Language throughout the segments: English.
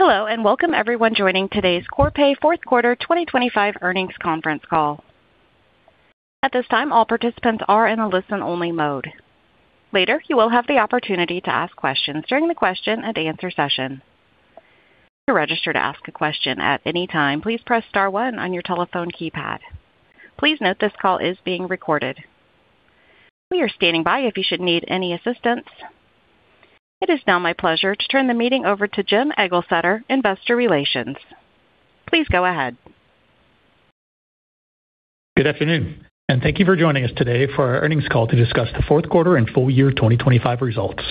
Hello and welcome everyone joining today's Corpay fourth quarter 2025 earnings conference call. At this time, all participants are in a listen-only mode. Later, you will have the opportunity to ask questions during the question-and-answer session. To register to ask a question at any time, please press star one on your telephone keypad. Please note this call is being recorded. We are standing by if you should need any assistance. It is now my pleasure to turn the meeting over to Jim Eglseder, Investor Relations. Please go ahead. Good afternoon, and thank you for joining us today for our earnings call to discuss the fourth quarter and full year 2025 results.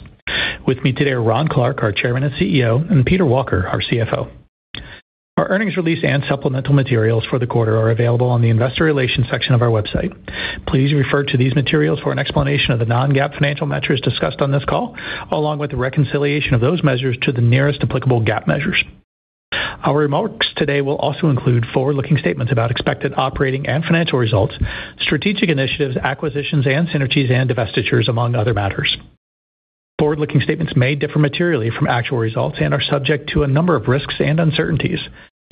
With me today are Ron Clarke, our Chairman and CEO, and Peter Walker, our CFO. Our earnings release and supplemental materials for the quarter are available on the Investor Relations section of our website. Please refer to these materials for an explanation of the non-GAAP financial metrics discussed on this call, along with the reconciliation of those measures to the nearest applicable GAAP measures. Our remarks today will also include forward-looking statements about expected operating and financial results, strategic initiatives, acquisitions, and synergies, and divestitures, among other matters. Forward-looking statements may differ materially from actual results and are subject to a number of risks and uncertainties.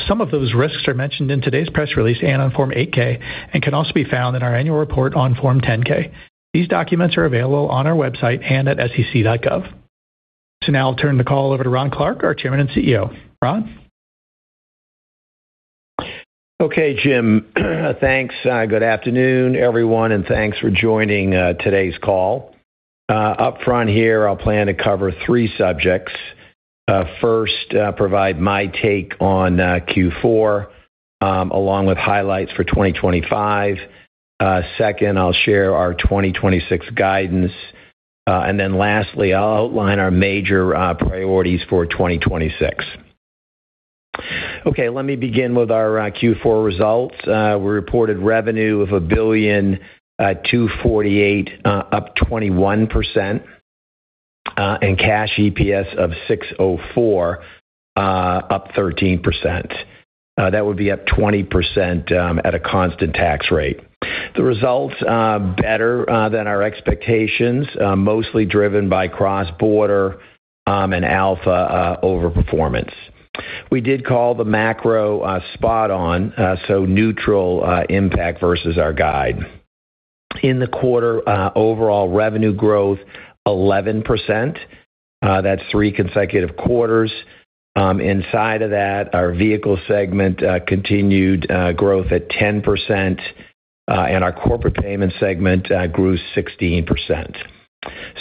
Some of those risks are mentioned in today's press release and on Form 8-K, and can also be found in our annual report on Form 10-K. These documents are available on our website and at sec.gov. Now I'll turn the call over to Ron Clarke, our Chairman and CEO. Ron? Okay, Jim, thanks. Good afternoon, everyone, and thanks for joining today's call. Upfront here, I'll plan to cover three subjects. First, provide my take on Q4, along with highlights for 2025. Second, I'll share our 2026 guidance. And then lastly, I'll outline our major priorities for 2026. Okay, let me begin with our Q4 results. We reported revenue of $1,248,000,000, up 21%, and cash EPS of $604,000,000, up 13%. That would be up 20% at a constant tax rate. The results better than our expectations, mostly driven by Cross-Border and Alpha overperformance. We did call the macro spot-on, so neutral impact versus our guide. In the quarter, overall revenue growth 11%. That's three consecutive quarters. Inside of that, our vehicle segment continued growth at 10%, and our corporate payments segment grew 16%.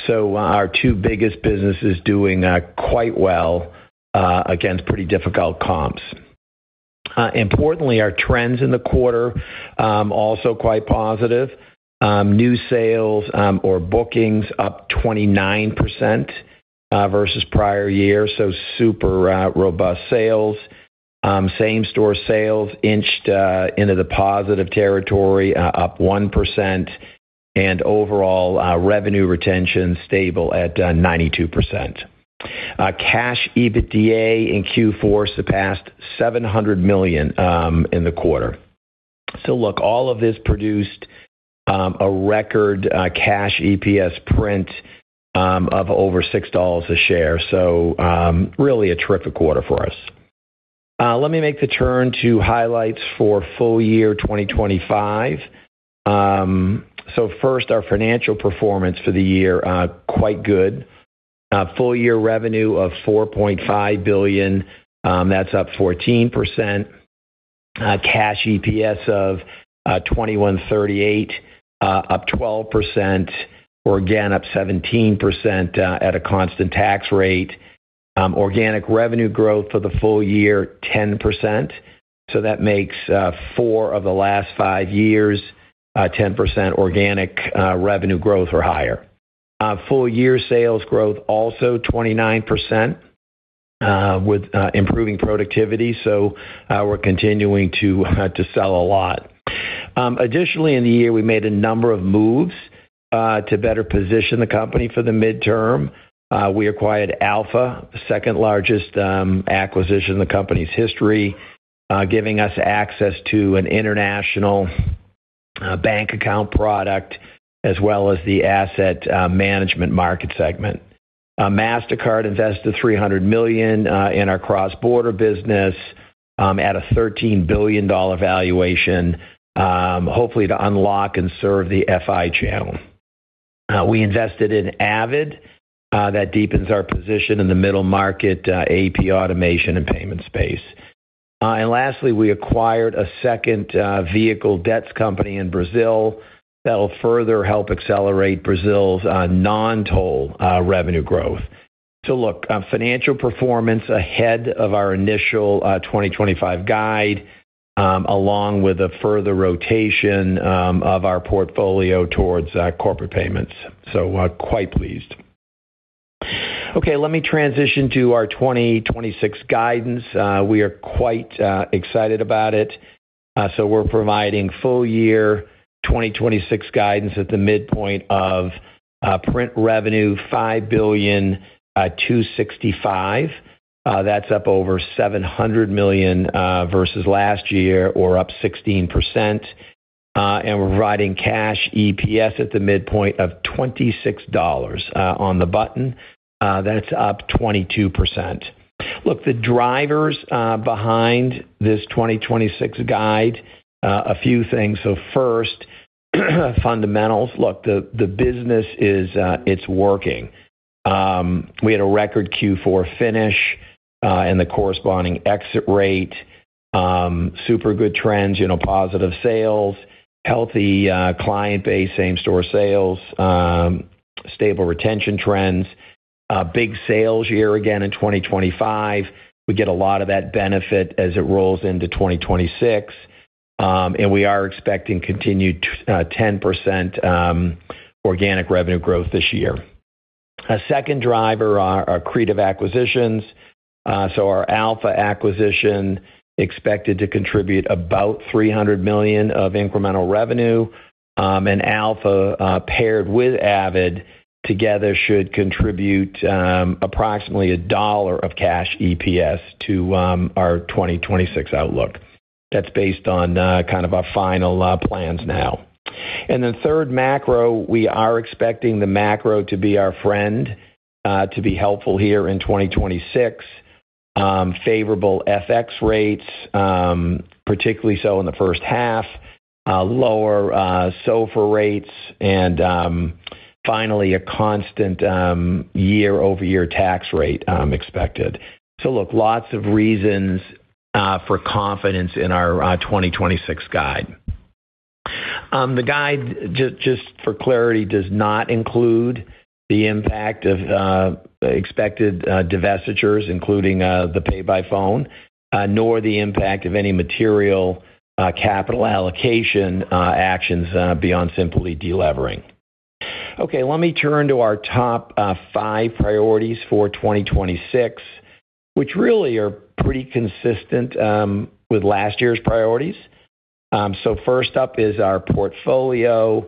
So our two biggest businesses doing quite well against pretty difficult comps. Importantly, our trends in the quarter also quite positive. New sales or bookings up 29% versus prior year, so super robust sales. Same-store sales inched into the positive territory, up 1%, and overall revenue retention stable at 92%. Cash EBITDA in Q4 surpassed $700 million in the quarter. So look, all of this produced a record cash EPS print of over $6 a share, so really a triple quarter for us. Let me make the turn to highlights for full year 2025. So first, our financial performance for the year quite good. Full year revenue of $4.5 billion. That's up 14%. Cash EPS of $21.38, up 12%, or again, up 17% at a constant tax rate. Organic revenue growth for the full year 10%. So that makes four of the last five years 10% organic revenue growth or higher. Full year sales growth also 29% with improving productivity. So we're continuing to sell a lot. Additionally, in the year, we made a number of moves to better position the company for the midterm. We acquired Alpha, the second largest acquisition in the company's history, giving us access to an international bank account product as well as the asset management market segment. Mastercard invested $300 million in our cross-border business at a $13 billion valuation, hopefully to unlock and serve the FI channel. We invested in Avid, that deepens our position in the middle market AP automation and payment space. And lastly, we acquired a second vehicle debts company in Brazil that'll further help accelerate Brazil's non-toll revenue growth. So look, financial performance ahead of our initial 2025 guide, along with a further rotation of our portfolio towards corporate payments. So quite pleased. Okay, let me transition to our 2026 guidance. We are quite excited about it. So we're providing full year 2026 guidance at the midpoint of print revenue $5.265 billion. That's up over $700 million versus last year, or up 16%. And we're providing cash EPS at the midpoint of $26 on the button. That's up 22%. Look, the drivers behind this 2026 guide, a few things. So first, fundamentals. Look, the business is working. We had a record Q4 finish and the corresponding exit rate. Super good trends, positive sales, healthy client base, same-store sales, stable retention trends. Big sales year again in 2025. We get a lot of that benefit as it rolls into 2026. And we are expecting continued 10% organic revenue growth this year. A second driver are creative acquisitions. So our Alpha acquisition expected to contribute about $300 million of incremental revenue. And Alpha paired with Avid together should contribute approximately $1 of cash EPS to our 2026 outlook. That's based on kind of our final plans now. And then third, macro. We are expecting the macro to be our friend, to be helpful here in 2026. Favorable FX rates, particularly so in the first half. Lower SOFR rates. And finally, a constant year-over-year tax rate expected. So look, lots of reasons for confidence in our 2026 guide. The guide, just for clarity, does not include the impact of expected divestitures, including the PayByPhone, nor the impact of any material capital allocation actions beyond simply delevering. Okay, let me turn to our top five priorities for 2026, which really are pretty consistent with last year's priorities. So first up is our portfolio.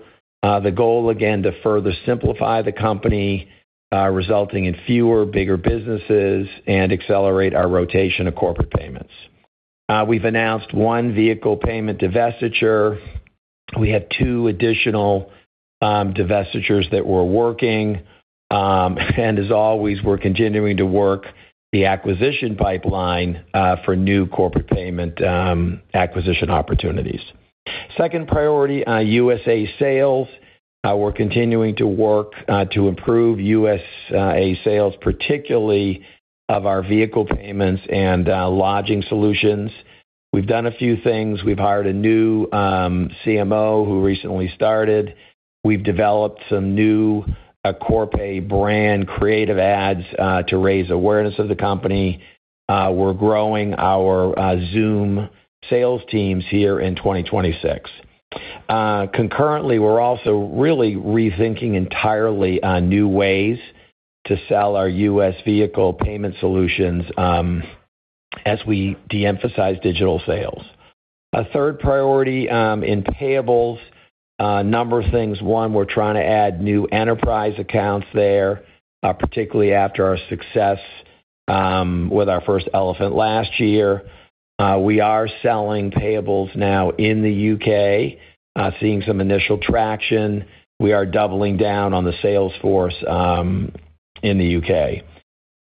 The goal, again, to further simplify the company, resulting in fewer bigger businesses, and accelerate our rotation of corporate payments. We've announced one vehicle payment divestiture. We have two additional divestitures that we're working. And as always, we're continuing to work the acquisition pipeline for new corporate payment acquisition opportunities. Second priority, USA sales. We're continuing to work to improve USA sales, particularly of our vehicle payments and lodging solutions. We've done a few things. We've hired a new CMO who recently started. We've developed some new Corpay brand creative ads to raise awareness of the company. We're growing our Zoom sales teams here in 2026. Concurrently, we're also really rethinking entirely new ways to sell our U.S. vehicle payment solutions as we de-emphasize digital sales. A third priority in payables, a number of things. One, we're trying to add new enterprise accounts there, particularly after our success with our first elephant last year. We are selling payables now in the U.K., seeing some initial traction. We are doubling down on the sales force in the U.K..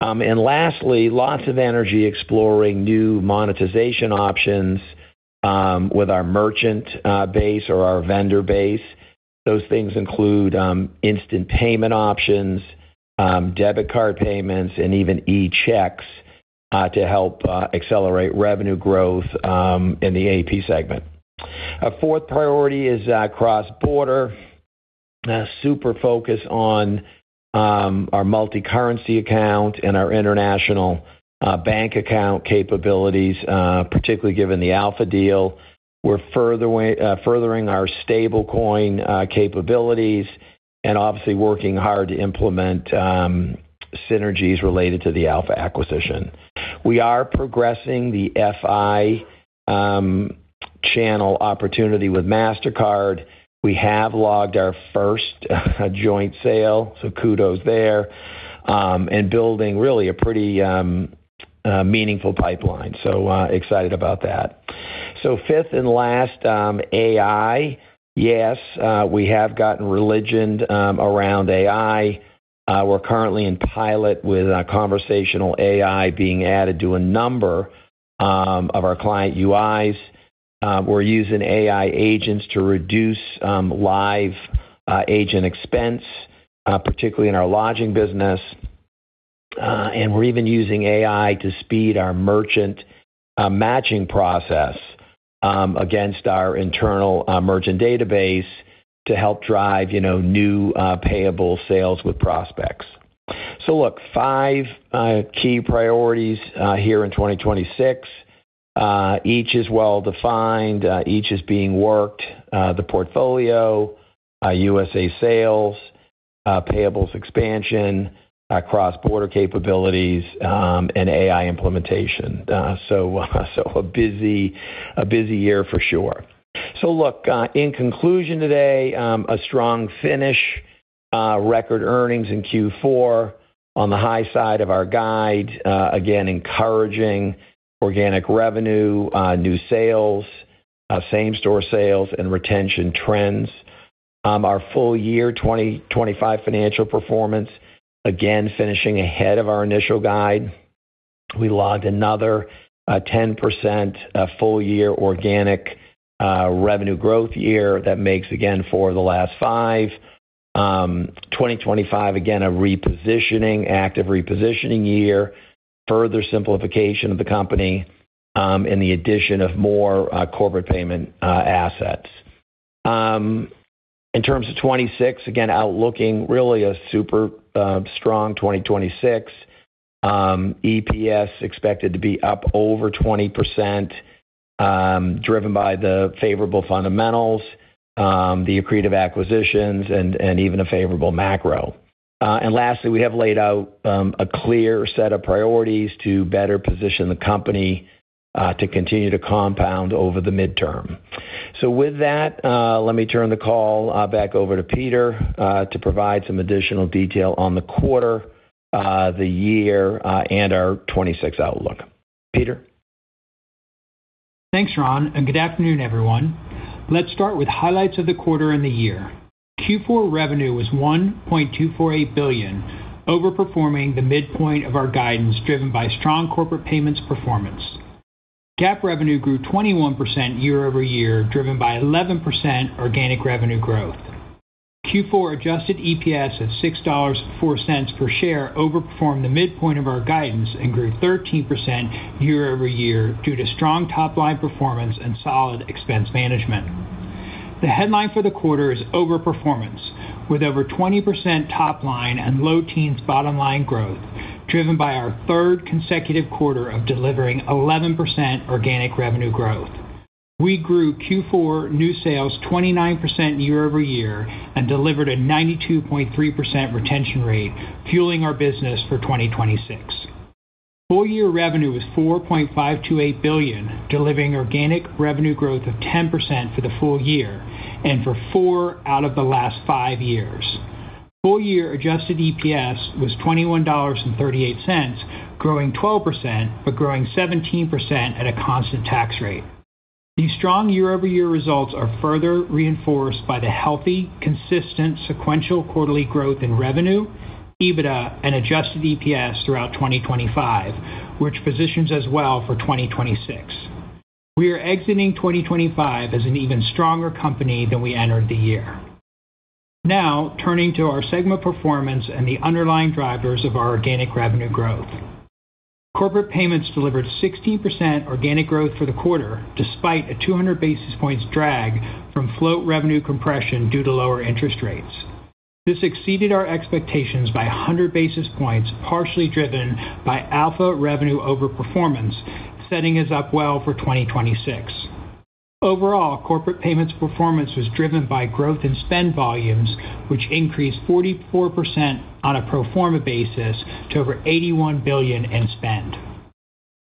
And lastly, lots of energy exploring new monetization options with our merchant base or our vendor base. Those things include instant payment options, debit card payments, and even e-checks to help accelerate revenue growth in the AP segment. A fourth priority is cross-border. Super focus on our multicurrency account and our international bank account capabilities, particularly given the Alpha deal. We're furthering our stablecoin capabilities and obviously working hard to implement synergies related to the Alpha acquisition. We are progressing the FI channel opportunity with Mastercard. We have logged our first joint sale, so kudos there, and building really a pretty meaningful pipeline. So excited about that. So fifth and last, AI. Yes, we have gotten religioned around AI. We're currently in pilot with conversational AI being added to a number of our client UIs. We're using AI agents to reduce live agent expense, particularly in our lodging business. We're even using AI to speed our merchant matching process against our internal merchant database to help drive new payable sales with prospects. So look, 5 key priorities here in 2026. Each is well defined. Each is being worked. The portfolio, USA sales, payables expansion, cross-border capabilities, and AI implementation. So a busy year for sure. So look, in conclusion today, a strong finish, record earnings in Q4 on the high side of our guide. Again, encouraging organic revenue, new sales, same-store sales, and retention trends. Our full year 2025 financial performance, again, finishing ahead of our initial guide. We logged another 10% full year organic revenue growth year that makes, again, 4 of the last 5. 2025, again, a repositioning, active repositioning year, further simplification of the company in the addition of more corporate payment assets. In terms of 2026, again, outlooking really a super strong 2026. EPS expected to be up over 20%, driven by the favorable fundamentals, the creative acquisitions, and even a favorable macro. Lastly, we have laid out a clear set of priorities to better position the company to continue to compound over the midterm. With that, let me turn the call back over to Peter to provide some additional detail on the quarter, the year, and our 2026 outlook. Peter? Thanks, Ron. Good afternoon, everyone. Let's start with highlights of the quarter and the year. Q4 revenue was $1.248 billion, overperforming the midpoint of our guidance driven by strong corporate payments performance. GAAP revenue grew 21% year-over-year, driven by 11% organic revenue growth. Q4 adjusted EPS of $6.04 per share overperformed the midpoint of our guidance and grew 13% year-over-year due to strong top-line performance and solid expense management. The headline for the quarter is overperformance, with over 20% top-line and low-teens bottom-line growth, driven by our third consecutive quarter of delivering 11% organic revenue growth. We grew Q4 new sales 29% year-over-year and delivered a 92.3% retention rate, fueling our business for 2026. Full year revenue was $4.528 billion, delivering organic revenue growth of 10% for the full year and for four out of the last five years. Full year adjusted EPS was $21.38, growing 12% but growing 17% at a constant tax rate. These strong year-over-year results are further reinforced by the healthy, consistent, sequential quarterly growth in revenue, EBITDA, and adjusted EPS throughout 2025, which positions as well for 2026. We are exiting 2025 as an even stronger company than we entered the year. Now, turning to our segment performance and the underlying drivers of our organic revenue growth. Corporate payments delivered 16% organic growth for the quarter despite a 200 basis points drag from float revenue compression due to lower interest rates. This exceeded our expectations by 100 basis points, partially driven by Alpha revenue overperformance, setting us up well for 2026. Overall, corporate payments performance was driven by growth in spend volumes, which increased 44% on a pro forma basis to over $81 billion in spend.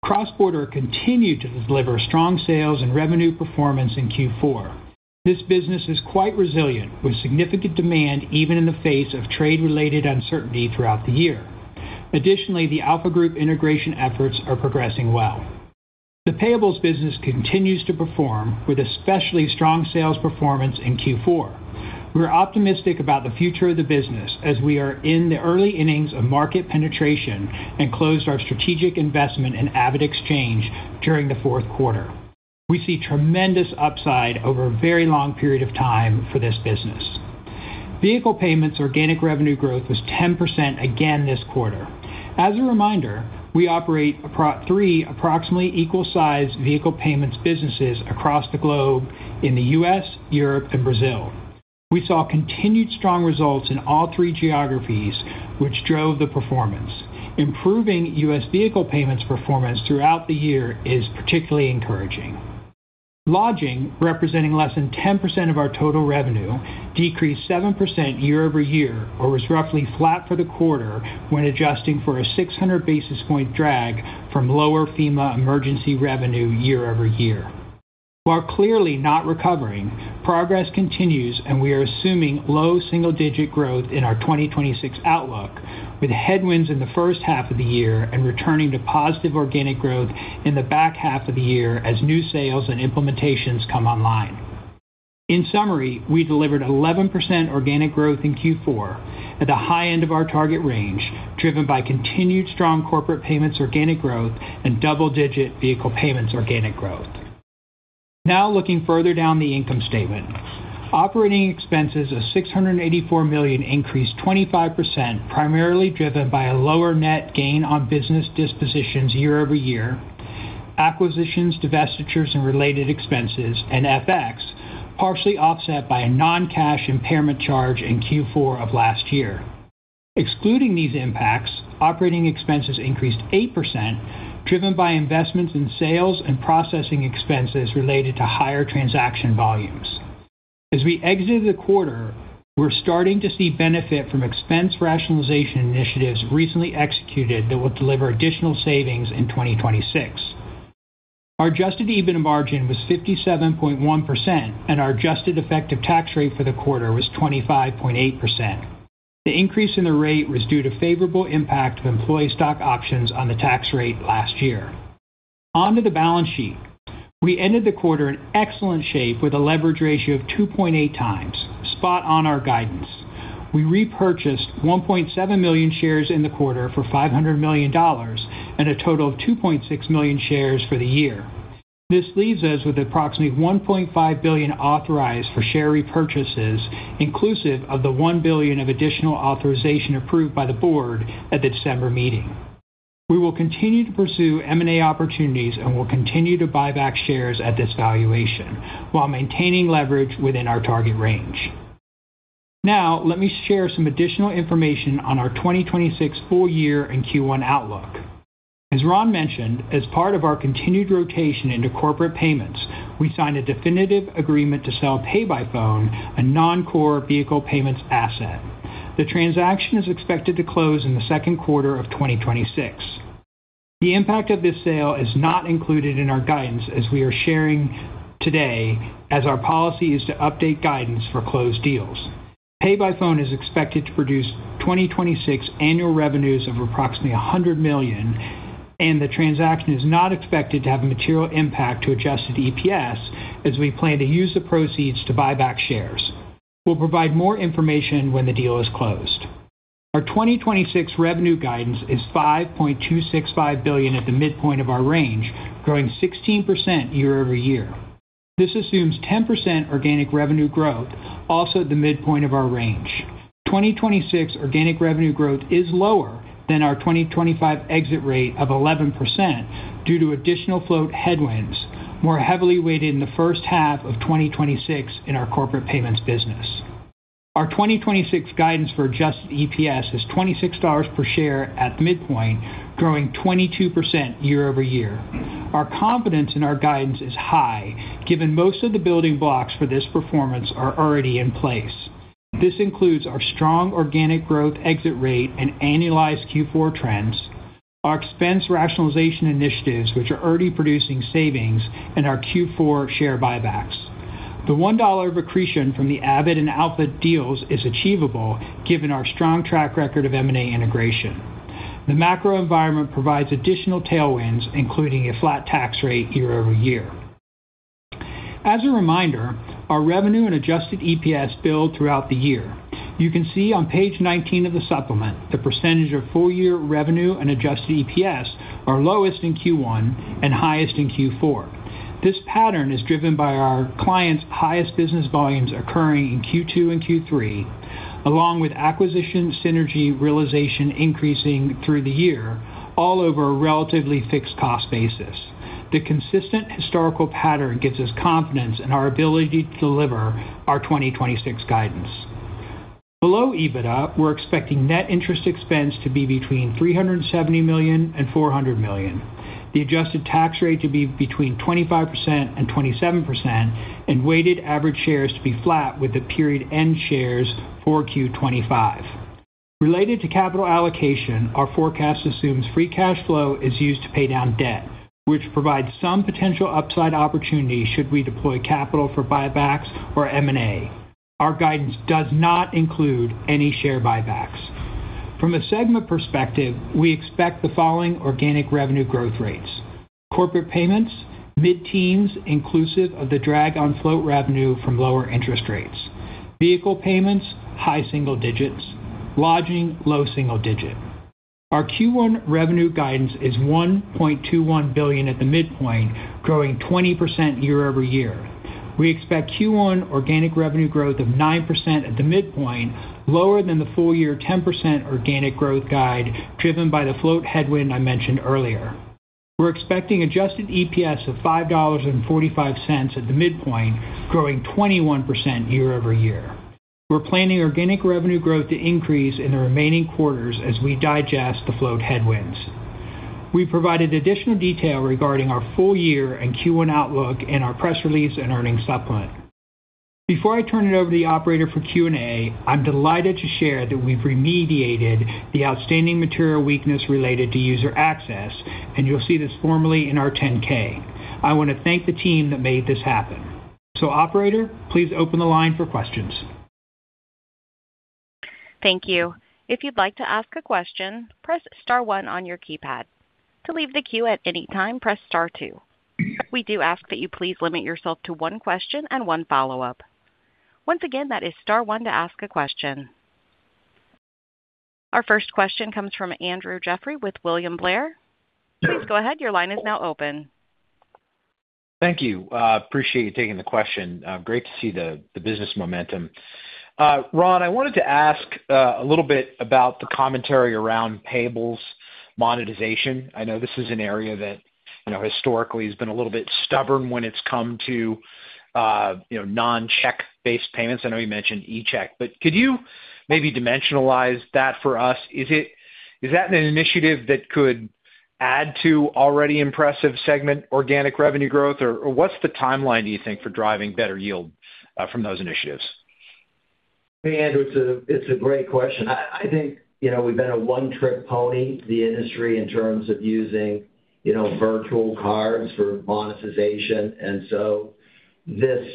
Cross-border continued to deliver strong sales and revenue performance in Q4. This business is quite resilient, with significant demand even in the face of trade-related uncertainty throughout the year. Additionally, the Alpha Group integration efforts are progressing well. The payables business continues to perform, with especially strong sales performance in Q4. We're optimistic about the future of the business as we are in the early innings of market penetration and closed our strategic investment in AvidXchange during the fourth quarter. We see tremendous upside over a very long period of time for this business. Vehicle payments organic revenue growth was 10% again this quarter. As a reminder, we operate three approximately equal-sized vehicle payments businesses across the globe in the U.S., Europe, and Brazil. We saw continued strong results in all three geographies, which drove the performance. Improving U.S. vehicle payments performance throughout the year is particularly encouraging. Lodging, representing less than 10% of our total revenue, decreased 7% year-over-year or was roughly flat for the quarter when adjusting for a 600 basis points drag from lower FEMA emergency revenue year-over-year. While clearly not recovering, progress continues, and we are assuming low single-digit growth in our 2026 outlook, with headwinds in the first half of the year and returning to positive organic growth in the back half of the year as new sales and implementations come online. In summary, we delivered 11% organic growth in Q4 at the high end of our target range, driven by continued strong corporate payments organic growth and double-digit vehicle payments organic growth. Now, looking further down the income statement, operating expenses of $684 million increased 25%, primarily driven by a lower net gain on business dispositions year-over-year, acquisitions, divestitures, and related expenses, and FX, partially offset by a non-cash impairment charge in Q4 of last year. Excluding these impacts, operating expenses increased 8%, driven by investments in sales and processing expenses related to higher transaction volumes. As we exited the quarter, we're starting to see benefit from expense rationalization initiatives recently executed that will deliver additional savings in 2026. Our adjusted EBITDA margin was 57.1%, and our adjusted effective tax rate for the quarter was 25.8%. The increase in the rate was due to favorable impact of employee stock options on the tax rate last year. Onto the balance sheet. We ended the quarter in excellent shape with a leverage ratio of 2.8x, spot on our guidance. We repurchased 1.7 million shares in the quarter for $500 million and a total of 2.6 million shares for the year. This leaves us with approximately $1.5 billion authorized for share repurchases, inclusive of the $1 billion of additional authorization approved by the board at the December meeting. We will continue to pursue M&A opportunities and will continue to buy back shares at this valuation while maintaining leverage within our target range. Now, let me share some additional information on our 2026 full year and Q1 outlook. As Ron mentioned, as part of our continued rotation into corporate payments, we signed a definitive agreement to sell PayByPhone, a non-core vehicle payments asset. The transaction is expected to close in the second quarter of 2026. The impact of this sale is not included in our guidance as we are sharing today, as our policy is to update guidance for closed deals. PayByPhone is expected to produce 2026 annual revenues of approximately $100 million, and the transaction is not expected to have a material impact to adjusted EPS as we plan to use the proceeds to buy back shares. We'll provide more information when the deal is closed. Our 2026 revenue guidance is $5.265 billion at the midpoint of our range, growing 16% year-over-year. This assumes 10% organic revenue growth, also at the midpoint of our range. 2026 organic revenue growth is lower than our 2025 exit rate of 11% due to additional float headwinds, more heavily weighted in the first half of 2026 in our corporate payments business. Our 2026 guidance for adjusted EPS is $26 per share at the midpoint, growing 22% year-over-year. Our confidence in our guidance is high, given most of the building blocks for this performance are already in place. This includes our strong organic growth exit rate and annualized Q4 trends, our expense rationalization initiatives, which are already producing savings, and our Q4 share buybacks. The $1 accretion from the Avid and Alpha deals is achievable, given our strong track record of M&A integration. The macro environment provides additional tailwinds, including a flat tax rate year-over-year. As a reminder, our revenue and adjusted EPS build throughout the year. You can see on page 19 of the supplement, the percentage of full-year revenue and adjusted EPS are lowest in Q1 and highest in Q4. This pattern is driven by our clients' highest business volumes occurring in Q2 and Q3, along with acquisition synergy realization increasing through the year all over a relatively fixed cost basis. The consistent historical pattern gives us confidence in our ability to deliver our 2026 guidance. Below EBITDA, we're expecting net interest expense to be between $370 million and $400 million, the adjusted tax rate to be between 25% and 27%, and weighted average shares to be flat with the period end shares for Q4 2025. Related to capital allocation, our forecast assumes free cash flow is used to pay down debt, which provides some potential upside opportunity should we deploy capital for buybacks or M&A. Our guidance does not include any share buybacks. From a segment perspective, we expect the following organic revenue growth rates: corporate payments, mid-teens inclusive of the drag on float revenue from lower interest rates; vehicle payments, high single digits; lodging, low single digit. Our Q1 revenue guidance is $1.21 billion at the midpoint, growing 20% year-over-year. We expect Q1 organic revenue growth of 9% at the midpoint, lower than the full year 10% organic growth guide driven by the float headwind I mentioned earlier. We're expecting adjusted EPS of $5.45 at the midpoint, growing 21% year-over-year. We're planning organic revenue growth to increase in the remaining quarters as we digest the float headwinds. We provided additional detail regarding our full year and Q1 outlook in our press release and earnings supplement. Before I turn it over to the operator for Q&A, I'm delighted to share that we've remediated the outstanding material weakness related to user access, and you'll see this formally in our 10-K. I want to thank the team that made this happen. Operator, please open the line for questions. Thank you. If you'd like to ask a question, press star one on your keypad. To leave the queue at any time, press star two. We do ask that you please limit yourself to one question and one follow-up. Once again, that is star one to ask a question. Our first question comes from Andrew Jeffrey with William Blair. Please go ahead. Your line is now open. Thank you. Appreciate you taking the question. Great to see the business momentum. Ron, I wanted to ask a little bit about the commentary around payables monetization. I know this is an area that historically has been a little bit stubborn when it's come to non-check-based payments. I know you mentioned e-check, but could you maybe dimensionalize that for us? Is that an initiative that could add to already impressive segment organic revenue growth, or what's the timeline, do you think, for driving better yield from those initiatives? Hey, Andrew. It's a great question. I think we've been a one-trick pony to the industry in terms of using virtual cards for monetization. And so this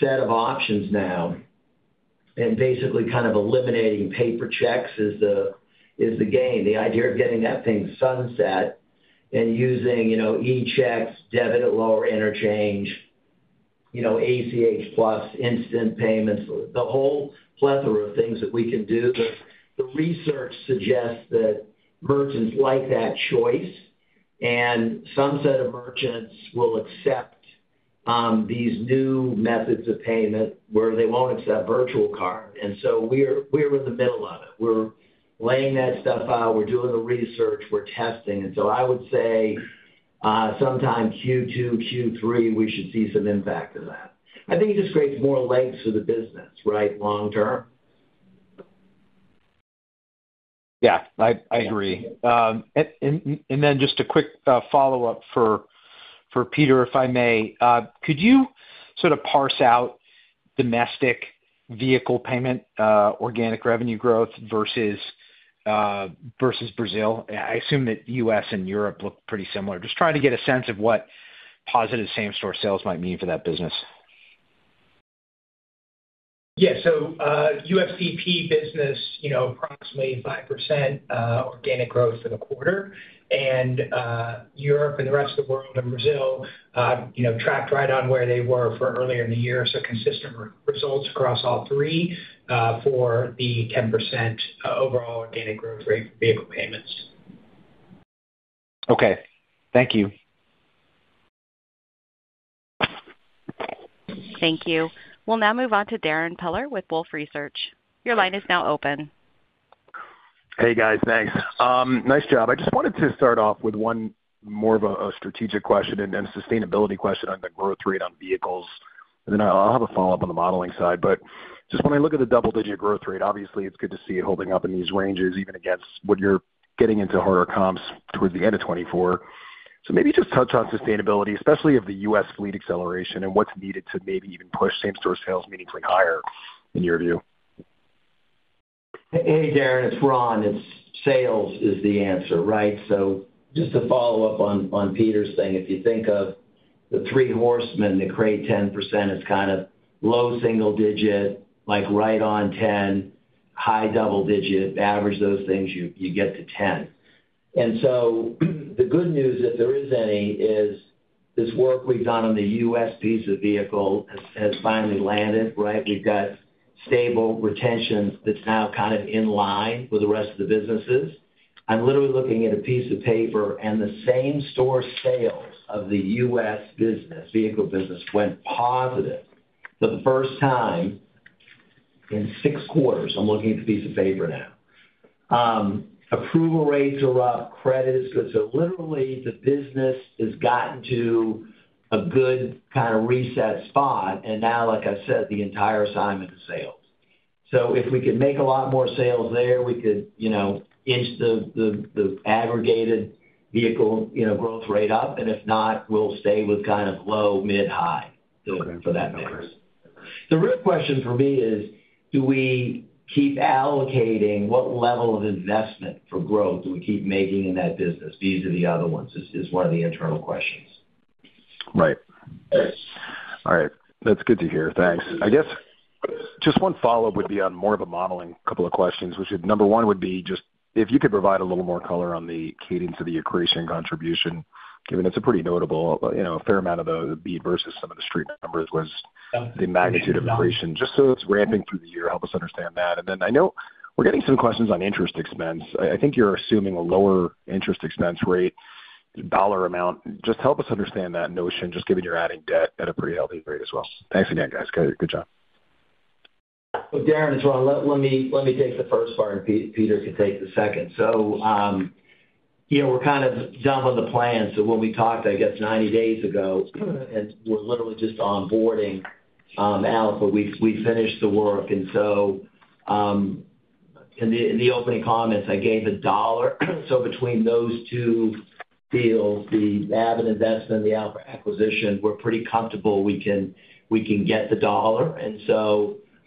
set of options now and basically kind of eliminating paper checks is the gain. The idea of getting that thing sunset and using e-checks, debit at lower interchange, ACH Plus, instant payments, the whole plethora of things that we can do. The research suggests that merchants like that choice, and some set of merchants will accept these new methods of payment where they won't accept virtual card. And so we're in the middle of it. We're laying that stuff out. We're doing the research. We're testing. And so I would say sometime Q2, Q3, we should see some impact of that. I think it just creates more legs for the business, right, long term. Yeah. I agree. Then just a quick follow-up for Peter, if I may. Could you sort of parse out domestic vehicle payment organic revenue growth versus Brazil? I assume that U.S. and Europe look pretty similar. Just trying to get a sense of what positive same-store sales might mean for that business. Yeah. So UFCP business, approximately 5% organic growth for the quarter. Europe and the rest of the world and Brazil tracked right on where they were for earlier in the year. So consistent results across all three for the 10% overall organic growth rate for vehicle payments. Okay. Thank you. Thank you. We'll now move on to Darrin Peller with Wolfe Research. Your line is now open. Hey, guys. Thanks. Nice job. I just wanted to start off with one more of a strategic question and sustainability question on the growth rate on vehicles. And then I'll have a follow-up on the modeling side. But just when I look at the double-digit growth rate, obviously, it's good to see it holding up in these ranges, even against what you're getting into harder comps towards the end of 2024. So maybe just touch on sustainability, especially of the U.S. fleet acceleration and what's needed to maybe even push same-store sales meaningfully higher, in your view. Hey, Darrin. It's Ron. Sales is the answer, right? So just to follow up on Peter's thing, if you think of the three horsemen to create 10%, it's kind of low single digit, right on 10, high double digit, average those things, you get to 10%. And so the good news, if there is any, is this work we've done on the U.S. piece of vehicle has finally landed, right? We've got stable retention that's now kind of in line with the rest of the businesses. I'm literally looking at a piece of paper, and the same-store sales of the U.S. vehicle business went positive for the first time in six quarters. I'm looking at the piece of paper now. Approval rates are up. Credit is good. So literally, the business has gotten to a good kind of reset spot. And now, like I said, the entire assignment is sales. So if we could make a lot more sales there, we could inch the aggregated vehicle growth rate up. And if not, we'll stay with kind of low, mid, high for that mix. The real question for me is, do we keep allocating what level of investment for growth do we keep making in that business? These are the other ones is one of the internal questions. Right. All right. That's good to hear. Thanks. I guess just one follow-up would be on more of a modeling couple of questions, which number one would be just if you could provide a little more color on the cadence of the accretion contribution, given it's a pretty notable a fair amount of the EBITDA versus some of the street numbers was the magnitude of accretion. Just so it's ramping through the year, help us understand that. And then I know we're getting some questions on interest expense. I think you're assuming a lower interest expense rate, dollar amount. Just help us understand that notion, just given you're adding debt at a pretty healthy rate as well. Thanks again, guys. Good job. So Darrin, it's Ron. Let me take the first part, and Peter can take the second. We're kind of jumping on the plan. When we talked, I guess, 90 days ago, and we're literally just onboarding Alpha, we finished the work. In the opening comments, I gave a dollar. Between those two deals, the Avid investment and the Alpha acquisition, we're pretty comfortable we can get the dollar.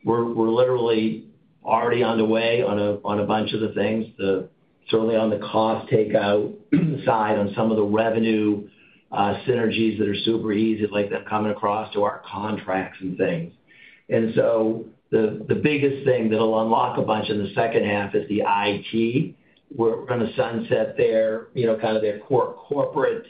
We're literally already underway on a bunch of the things, certainly on the cost takeout side, on some of the revenue synergies that are super easy that come across to our contracts and things. The biggest thing that'll unlock a bunch in the second half is the IT. We're going to sunset kind of their corporate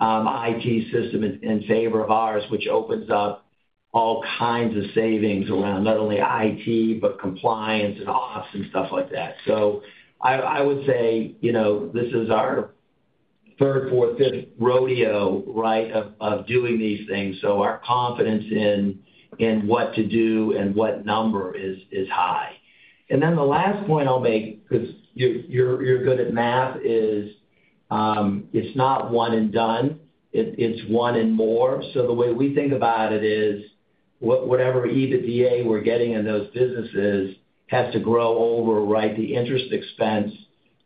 IT system in favor of ours, which opens up all kinds of savings around not only IT but compliance and ops and stuff like that. So I would say this is our third, fourth, fifth rodeo, right, of doing these things. So our confidence in what to do and what number is high. And then the last point I'll make because you're good at math is it's not one and done. It's one and more. So the way we think about it is whatever EBITDA we're getting in those businesses has to grow over, right, the interest expense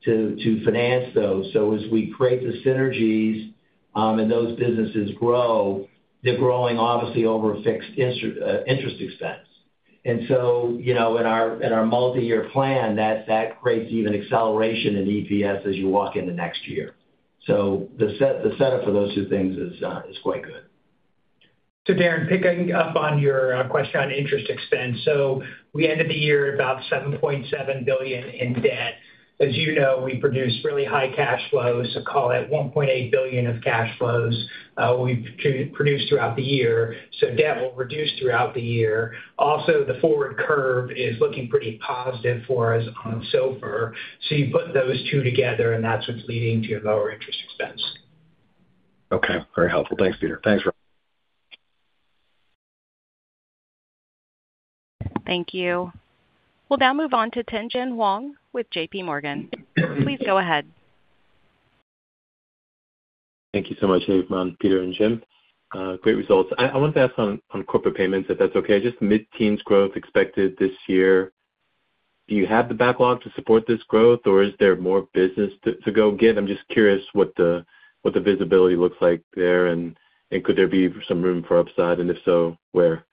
to finance those. So as we create the synergies and those businesses grow, they're growing, obviously, over fixed interest expense. And so in our multi-year plan, that creates even acceleration in EPS as you walk into next year. The setup for those two things is quite good. So Darrin, picking up on your question on interest expense. So we ended the year about $7.7 billion in debt. As you know, we produce really high cash flows, call it $1.8 billion of cash flows we've produced throughout the year. So debt will reduce throughout the year. Also, the forward curve is looking pretty positive for us on SOFR. So you put those two together, and that's what's leading to your lower interest expense. Okay. Very helpful. Thanks, Peter. Thanks, Ron. Thank you. We'll now move on to Tien-tsin Huang with JPMorgan. Please go ahead. Thank you so much Ron, Peter, and Jim. Great results. I wanted to ask on corporate payments, if that's okay, just mid-teens growth expected this year. Do you have the backlog to support this growth, or is there more business to go get? I'm just curious what the visibility looks like there, and could there be some room for upside? And if so, where?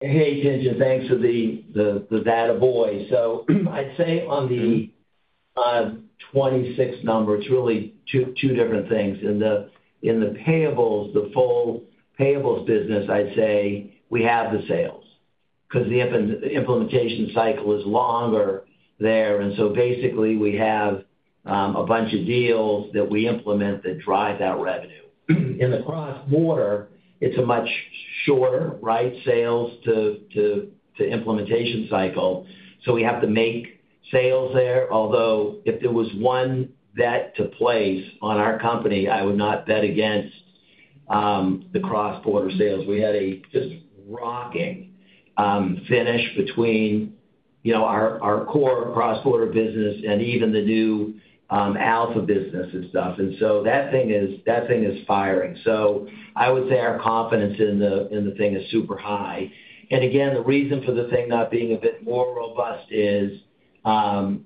Hey, Tien-tsin. Thanks for the data boys. So I'd say on the 26 number, it's really two different things. In the payables, the full payables business, I'd say we have the sales because the implementation cycle is longer there. And so basically, we have a bunch of deals that we implement that drive that revenue. In the cross-border, it's a much shorter, right, sales-to-implementation cycle. So we have to make sales there. Although if there was one bet to place on our company, I would not bet against the cross-border sales. We had a just rocking finish between our core cross-border business and even the new Alpha business and stuff. And so that thing is firing. So I would say our confidence in the thing is super high. And again, the reason for the thing not being a bit more robust is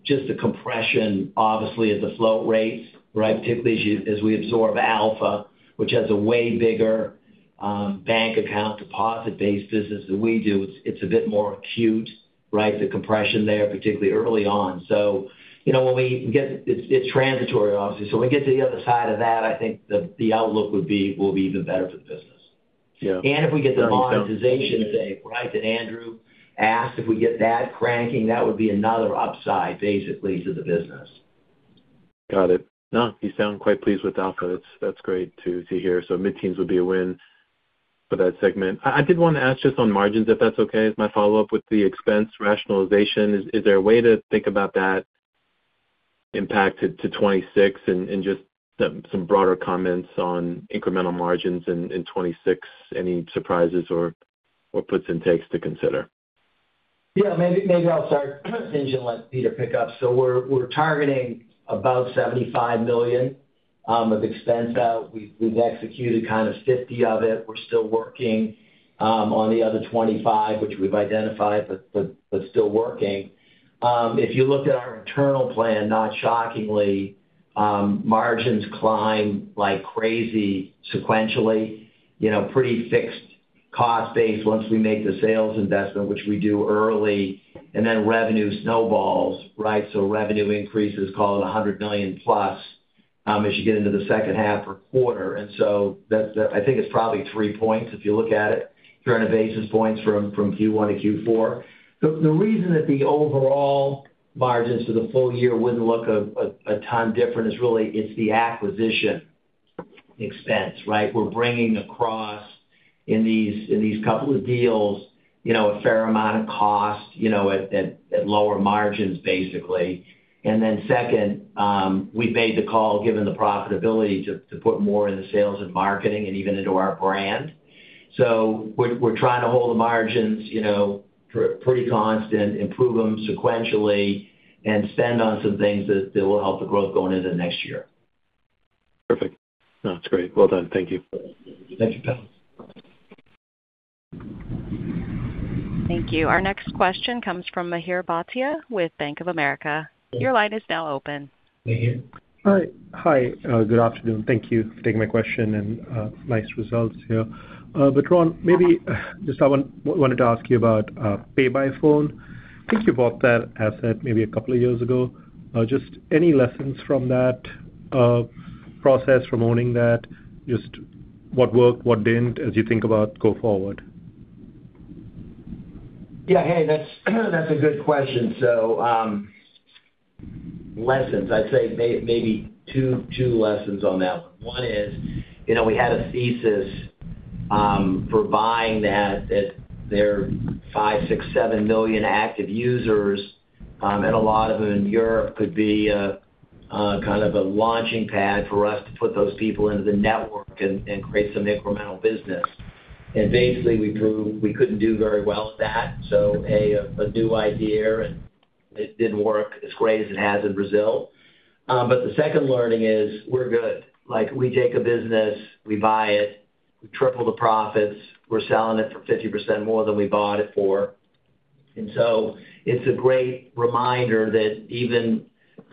just the compression, obviously, of the float rates, right, particularly as we absorb Alpha, which has a way bigger bank account deposit-based business than we do. It's a bit more acute, right, the compression there, particularly early on. So when we get it's transitory, obviously. So when we get to the other side of that, I think the outlook will be even better for the business. And if we get the monetization thing, right, that Andrew asked, if we get that cranking, that would be another upside, basically, to the business. Got it. No, you sound quite pleased with Alpha. That's great to hear. So mid-teens would be a win for that segment. I did want to ask just on margins, if that's okay. Is my follow-up with the expense rationalization? Is there a way to think about that impact to 2026 and just some broader comments on incremental margins in 2026, any surprises or puts and takes to consider? Yeah. Maybe I'll start then let Peter pick up. So we're targeting about $75 million of expense out. We've executed kind of $50 million of it. We're still working on the other $25 million, which we've identified but still working. If you looked at our internal plan, not shockingly, margins climbed like crazy sequentially, pretty fixed cost-based once we made the sales investment, which we do early, and then revenue snowballs, right? So revenue increases, call it $100 million+ as you get into the second half or quarter. And so I think it's probably three points if you look at it, 300 basis points from Q1 to Q4. The reason that the overall margins for the full year wouldn't look a ton different is really it's the acquisition expense, right? We're bringing across in these couple of deals a fair amount of cost at lower margins, basically. And then second, we've made the call, given the profitability, to put more in the sales and marketing and even into our brand. So we're trying to hold the margins pretty constant, improve them sequentially, and spend on some things that will help the growth going into next year. Perfect. No, that's great. Well done. Thank you. Thank you, Tien. Thank you. Our next question comes from Mihir Bhatia with Bank of America. Your line is now open. Mahir. Hi. Good afternoon. Thank you for taking my question and nice results here. But Ron, maybe just I wanted to ask you about PayByPhone. I think you bought that asset maybe a couple of years ago. Just any lessons from that process, from owning that, just what worked, what didn't, as you think about go forward? Yeah. Hey, that's a good question. So lessons, I'd say maybe two lessons on that one. One is we had a thesis for buying that. They're 5, 6, 7 million active users, and a lot of them in Europe could be kind of a launching pad for us to put those people into the network and create some incremental business. And basically, we couldn't do very well with that. So a new idea, and it didn't work as great as it has in Brazil. But the second learning is we're good. We take a business. We buy it. We triple the profits. We're selling it for 50% more than we bought it for. And so it's a great reminder that even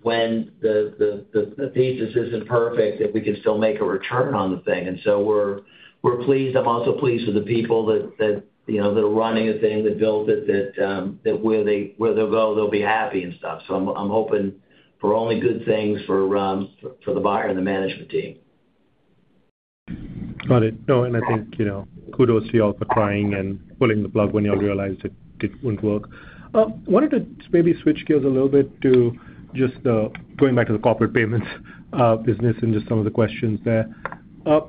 when the thesis isn't perfect, that we can still make a return on the thing. And so we're pleased. I'm also pleased with the people that are running the thing, that built it, that where they'll go, they'll be happy and stuff. So I'm hoping for only good things for the buyer and the management team. Got it. No, and I think kudos to y'all for trying and pulling the plug when y'all realized it wouldn't work. I wanted to maybe switch gears a little bit to just going back to the corporate payments business and just some of the questions there. I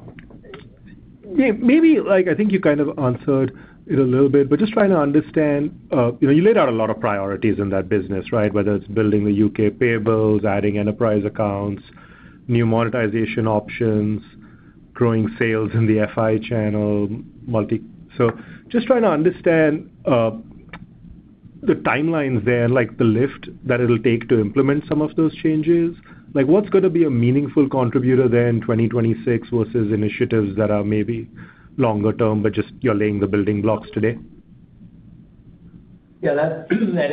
think you kind of answered it a little bit, but just trying to understand you laid out a lot of priorities in that business, right, whether it's building the U.K. payables, adding enterprise accounts, new monetization options, growing sales in the FI channel. So just trying to understand the timelines there and the lift that it'll take to implement some of those changes. What's going to be a meaningful contributor there in 2026 versus initiatives that are maybe longer-term, but just you're laying the building blocks today? Yeah, that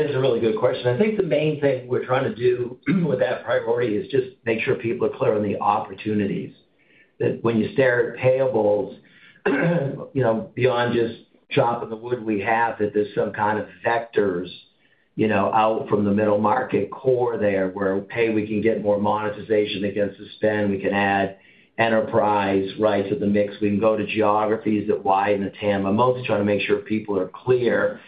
is a really good question. I think the main thing we're trying to do with that priority is just make sure people are clear on the opportunities. That when you stare at payables, beyond just chopping the wood we have, that there's some kind of vectors out from the middle market core there where, hey, we can get more monetization against the spend. We can add enterprise, right, to the mix. We can go to geographies like LATAM. Mostly trying to make sure people are clear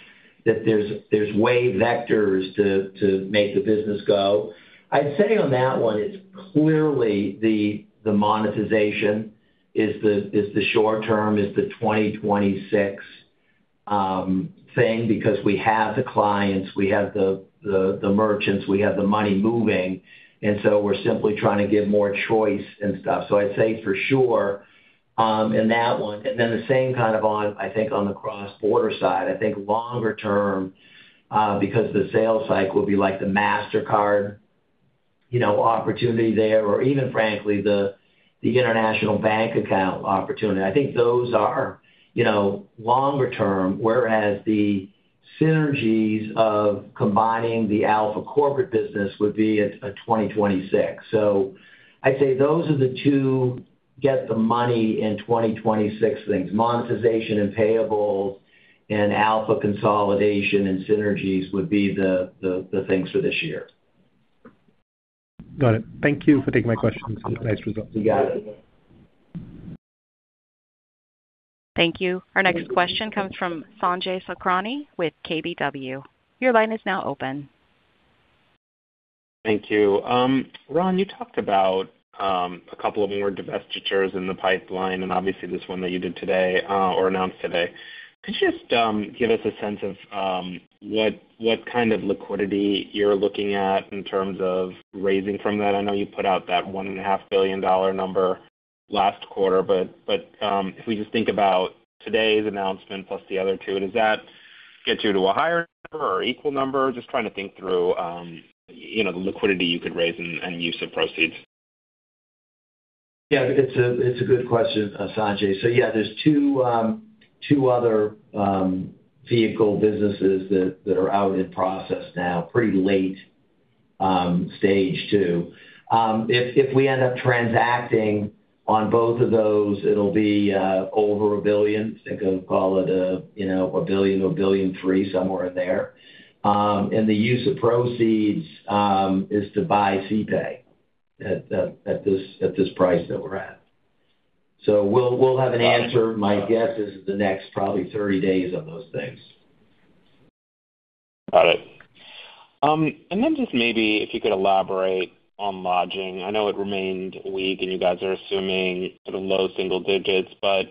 that there's wave vectors to make the business go. I'd say on that one, it's clearly the monetization is the short-term, is the 2026 thing because we have the clients, we have the merchants, we have the money moving. And so we're simply trying to give more choice and stuff. So I'd say for sure in that one. And then the same kind of, I think, on the cross-border side, I think longer-term because the sales cycle would be like the Mastercard opportunity there or even, frankly, the international bank account opportunity. I think those are longer-term, whereas the synergies of combining the Alpha corporate business would be a 2026. So I'd say those are the two. Get the money in 2026 things. Monetization and payables and Alpha consolidation and synergies would be the things for this year. Got it. Thank you for taking my questions. Nice results. You got it. Thank you. Our next question comes from Sanjay Sakhrani with KBW. Your line is now open. Thank you. Ron, you talked about a couple of more divestitures in the pipeline, and obviously, this one that you did today or announced today. Could you just give us a sense of what kind of liquidity you're looking at in terms of raising from that? I know you put out that $1.5 billion number last quarter, but if we just think about today's announcement plus the other two, does that get you to a higher number or equal number? Just trying to think through the liquidity you could raise and use of proceeds. Yeah, it's a good question, Sanjay. So yeah, there's two other vehicle businesses that are out in process now, pretty late stage too. If we end up transacting on both of those, it'll be over $1 billion. Think of, call it, $1 billion or $1.3 billion, somewhere in there. And the use of proceeds is to buy CPAY at this price that we're at. So we'll have an answer. My guess is the next probably 30 days on those things. Got it. And then just maybe if you could elaborate on lodging. I know it remained weak, and you guys are assuming sort of low single digits, but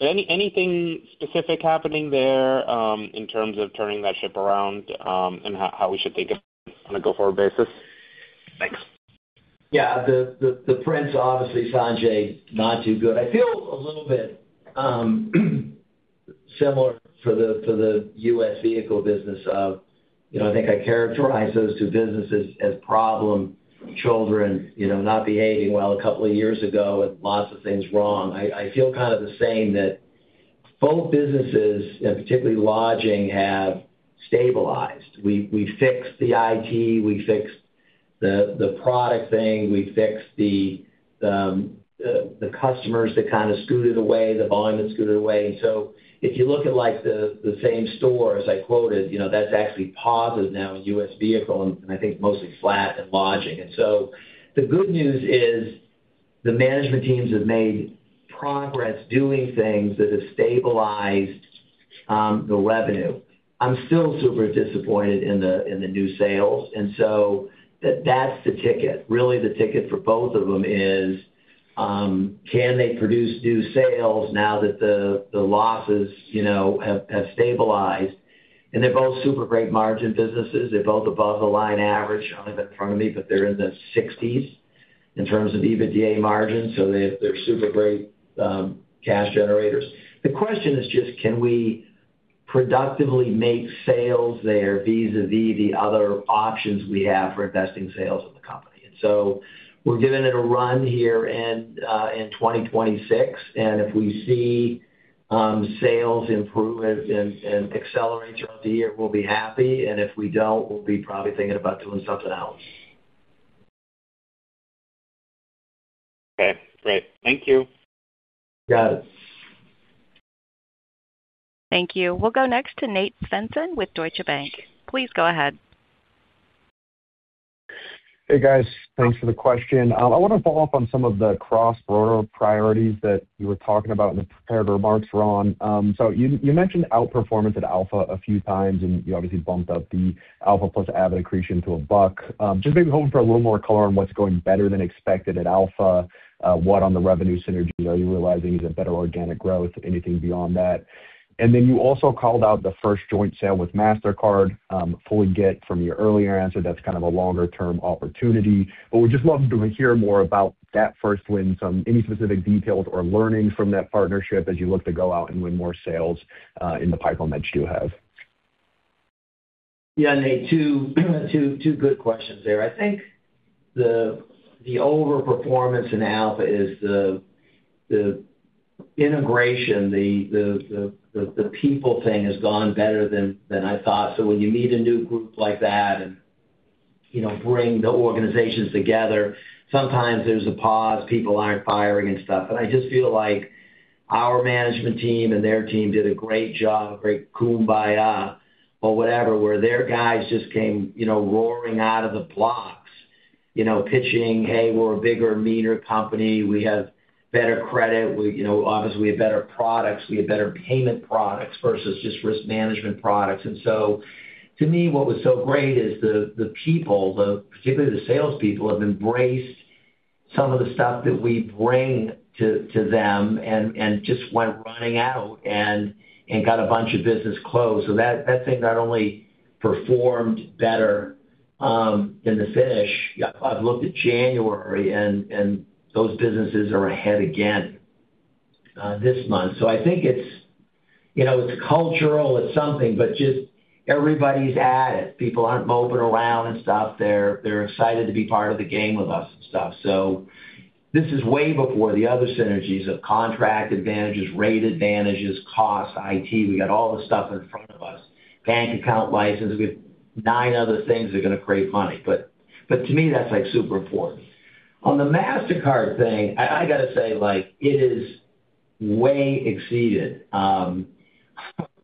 anything specific happening there in terms of turning that ship around and how we should think about it on a go forward basis? Thanks. Yeah. The prints, obviously, Sanjay, not too good. I feel a little bit similar for the U.S. vehicle business of I think I characterize those two businesses as problem children, not behaving well a couple of years ago with lots of things wrong. I feel kind of the same that both businesses, and particularly lodging, have stabilized. We fixed the IT. We fixed the product thing. We fixed the customers that kind of scooted away, the volume that scooted away. And so if you look at the same stores, I quoted, that's actually paused now in U.S. vehicle and I think mostly flat in lodging. And so the good news is the management teams have made progress doing things that have stabilized the revenue. I'm still super disappointed in the new sales. And so that's the ticket. Really, the ticket for both of them is can they produce new sales now that the losses have stabilized? And they're both super great margin businesses. They're both above-the-line average. I don't have it in front of me, but they're in the 60s in terms of EBITDA margins. So they're super great cash generators. The question is just, can we productively make sales there vis-à-vis the other options we have for investing sales in the company? And so we're giving it a run here in 2026. And if we see sales improve and accelerate throughout the year, we'll be happy. And if we don't, we'll be probably thinking about doing something else. Okay. Great. Thank you. Got it. Thank you. We'll go next to Nate Svensson with Deutsche Bank. Please go ahead. Hey, guys. Thanks for the question. I want to follow up on some of the cross-border priorities that you were talking about in the prepared remarks, Ron. So you mentioned outperformance at Alpha a few times, and you obviously bumped up the Alpha Plus AVID accretion to $1. Just maybe hoping for a little more color on what's going better than expected at Alpha. What on the revenue synergies are you realizing is a better organic growth? Anything beyond that? And then you also called out the first joint sale with Mastercard, fully get from your earlier answer. That's kind of a longer-term opportunity. But we'd just love to hear more about that first win, any specific details or learnings from that partnership as you look to go out and win more sales in the pipeline that you do have. Yeah, Nate. Two good questions there. I think the overperformance in Alpha is the integration. The people thing has gone better than I thought. So when you meet a new group like that and bring the organizations together, sometimes there's a pause. People aren't firing and stuff. And I just feel like our management team and their team did a great job, great kumbaya or whatever, where their guys just came roaring out of the blocks, pitching, "Hey, we're a bigger, meaner company. We have better credit. Obviously, we have better products. We have better payment products versus just risk management products." And so to me, what was so great is the people, particularly the salespeople, have embraced some of the stuff that we bring to them and just went running out and got a bunch of business closed. So that thing not only performed better than the finish. I've looked at January, and those businesses are ahead again this month. So I think it's cultural. It's something, but just everybody's at it. People aren't moping around and stuff. They're excited to be part of the game with us and stuff. So this is way before the other synergies of contract advantages, rate advantages, cost, IT. We got all the stuff in front of us. Bank account license. We have nine other things that are going to create money. But to me, that's super important. On the Mastercard thing, I got to say, it is way exceeded mine.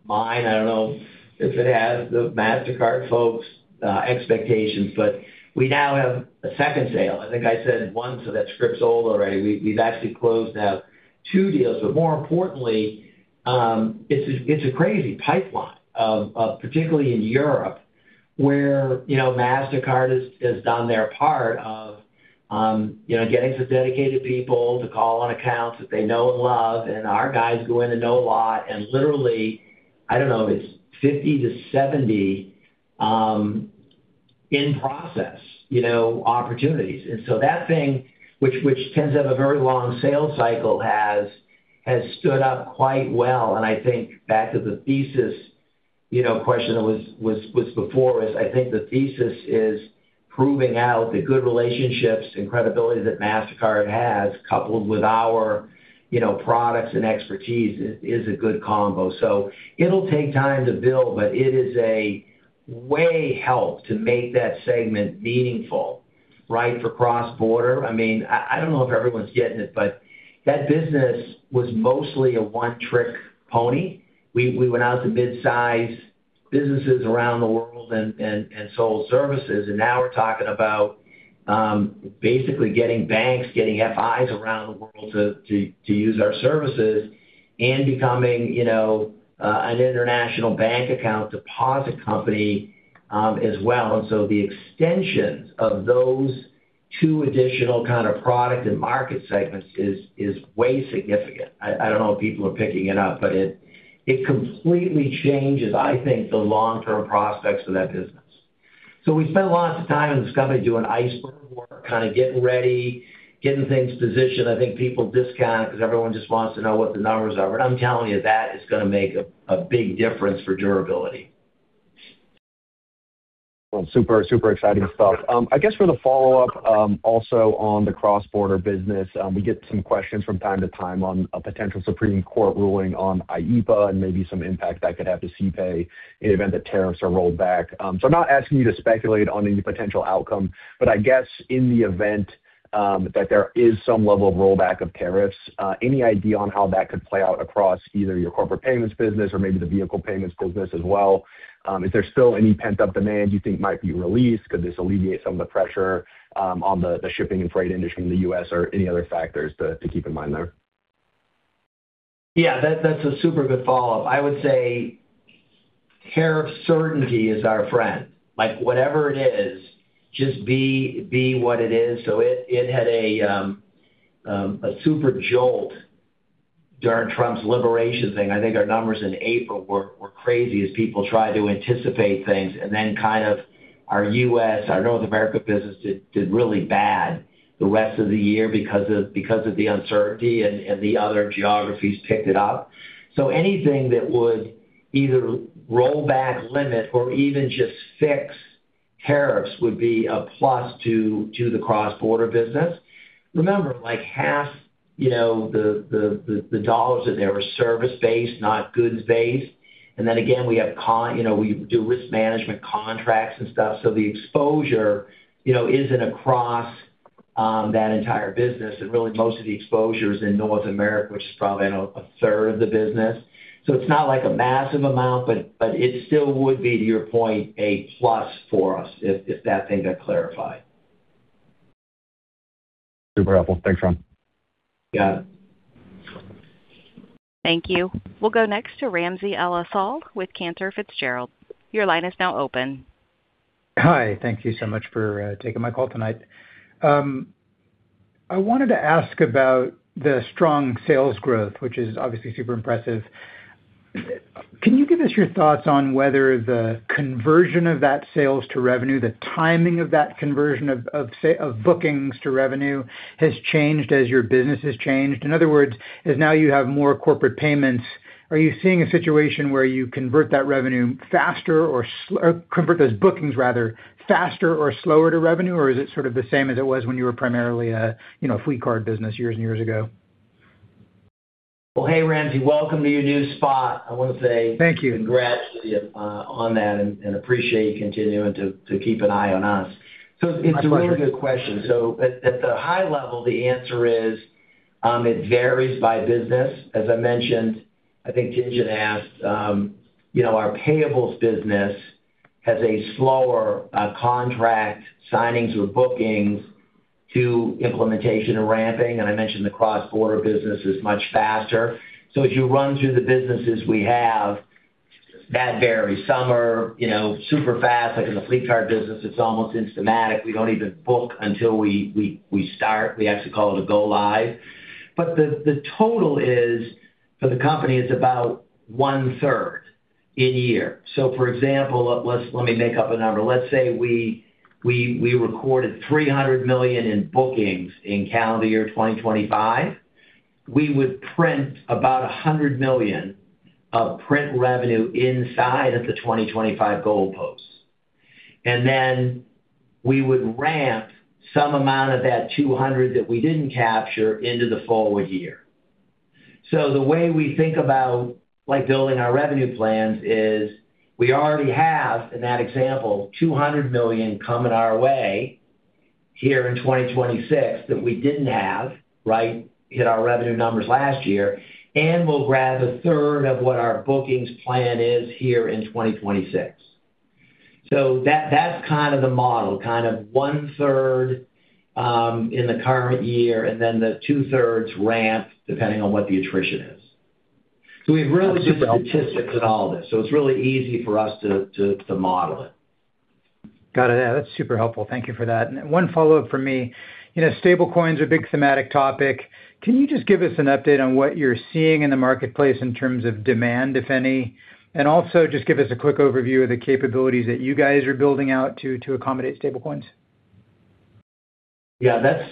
I don't know if it has the Mastercard folks' expectations, but we now have a second sale. I think I said one, so that script's old already. We've actually closed now two deals. But more importantly, it's a crazy pipeline, particularly in Europe, where Mastercard has done their part of getting some dedicated people to call on accounts that they know and love. And our guys go in and know a lot. And literally, I don't know, it's 50-70 in-process opportunities. And so that thing, which tends to have a very long sales cycle, has stood up quite well. And I think back to the thesis question that was before is I think the thesis is proving out the good relationships and credibility that Mastercard has, coupled with our products and expertise, is a good combo. So it'll take time to build, but it is a way help to make that segment meaningful, right, for cross-border. I mean, I don't know if everyone's getting it, but that business was mostly a one-trick pony. We went out to midsize businesses around the world and sold services. And now we're talking about basically getting banks, getting FIs around the world to use our services and becoming an international bank account deposit company as well. And so the extensions of those two additional kind of product and market segments is way significant. I don't know if people are picking it up, but it completely changes, I think, the long-term prospects for that business. So we spent lots of time in this company doing iceberg work, kind of getting ready, getting things positioned. I think people discount because everyone just wants to know what the numbers are. But I'm telling you, that is going to make a big difference for durability. Well, super, super exciting stuff. I guess for the follow-up also on the cross-border business, we get some questions from time to time on a potential Supreme Court ruling on APA and maybe some impact that could have to CPAY in the event that tariffs are rolled back. So I'm not asking you to speculate on any potential outcome, but I guess in the event that there is some level of rollback of tariffs, any idea on how that could play out across either your corporate payments business or maybe the vehicle payments business as well? Is there still any pent-up demand you think might be released? Could this alleviate some of the pressure on the shipping and freight industry in the U.S. or any other factors to keep in mind there? Yeah, that's a super good follow-up. I would say tariff certainty is our friend. Whatever it is, just be what it is. So it had a super jolt during Trump's liberation thing. I think our numbers in April were crazy as people tried to anticipate things. And then kind of our U.S., our North America business did really bad the rest of the year because of the uncertainty, and the other geographies picked it up. So anything that would either roll back, limit, or even just fix tariffs would be a plus to the cross-border business. Remember, half the dollars that there are service-based, not goods-based. And then again, we do risk management contracts and stuff. So the exposure isn't across that entire business. And really, most of the exposure is in North America, which is probably a third of the business. It's not like a massive amount, but it still would be, to your point, a plus for us if that thing got clarified. Super helpful. Thanks, Ron. Got it. Thank you. We'll go next to Ramsey El-Assal with Cantor Fitzgerald. Your line is now open. Hi. Thank you so much for taking my call tonight. I wanted to ask about the strong sales growth, which is obviously super impressive. Can you give us your thoughts on whether the conversion of that sales to revenue, the timing of that conversion of bookings to revenue, has changed as your business has changed? In other words, as now you have more corporate payments, are you seeing a situation where you convert that revenue faster or convert those bookings, rather, faster or slower to revenue, or is it sort of the same as it was when you were primarily a fleet card business years and years ago? Well, hey, Ramsey. Welcome to your new spot. I want to say. Thank you. Congrats to you on that, and appreciate you continuing to keep an eye on us. My pleasure. So it's a really good question. So at the high level, the answer is it varies by business. As I mentioned, I think Tien-tsin asked, our payables business has a slower contract signings or bookings to implementation and ramping. And I mentioned the cross-border business is much faster. So as you run through the businesses we have, that varies. Semper, super fast. In the fleet card business, it's almost systematic. We don't even book until we start. We actually call it a go-live. But the total is, for the company, it's about one-third in year. So for example, let me make up a number. Let's say we recorded $300 million in bookings in calendar year 2025. We would print about $100 million of print revenue inside at the 2025 goal post. And then we would ramp some amount of that $200 million that we didn't capture into the forward year. So the way we think about building our revenue plans is we already have, in that example, $200 million coming our way here in 2026 that we didn't have, right, hit our revenue numbers last year, and we'll grab one-third of what our bookings plan is here in 2026. So that's kind of the model, kind of one-third in the current year and then the two-thirds ramp depending on what the attrition is. So we have really good statistics in all of this. So it's really easy for us to model it. Got it. Yeah, that's super helpful. Thank you for that. And one follow-up from me. Stablecoins are a big thematic topic. Can you just give us an update on what you're seeing in the marketplace in terms of demand, if any? And also just give us a quick overview of the capabilities that you guys are building out to accommodate stablecoins. Yeah, that's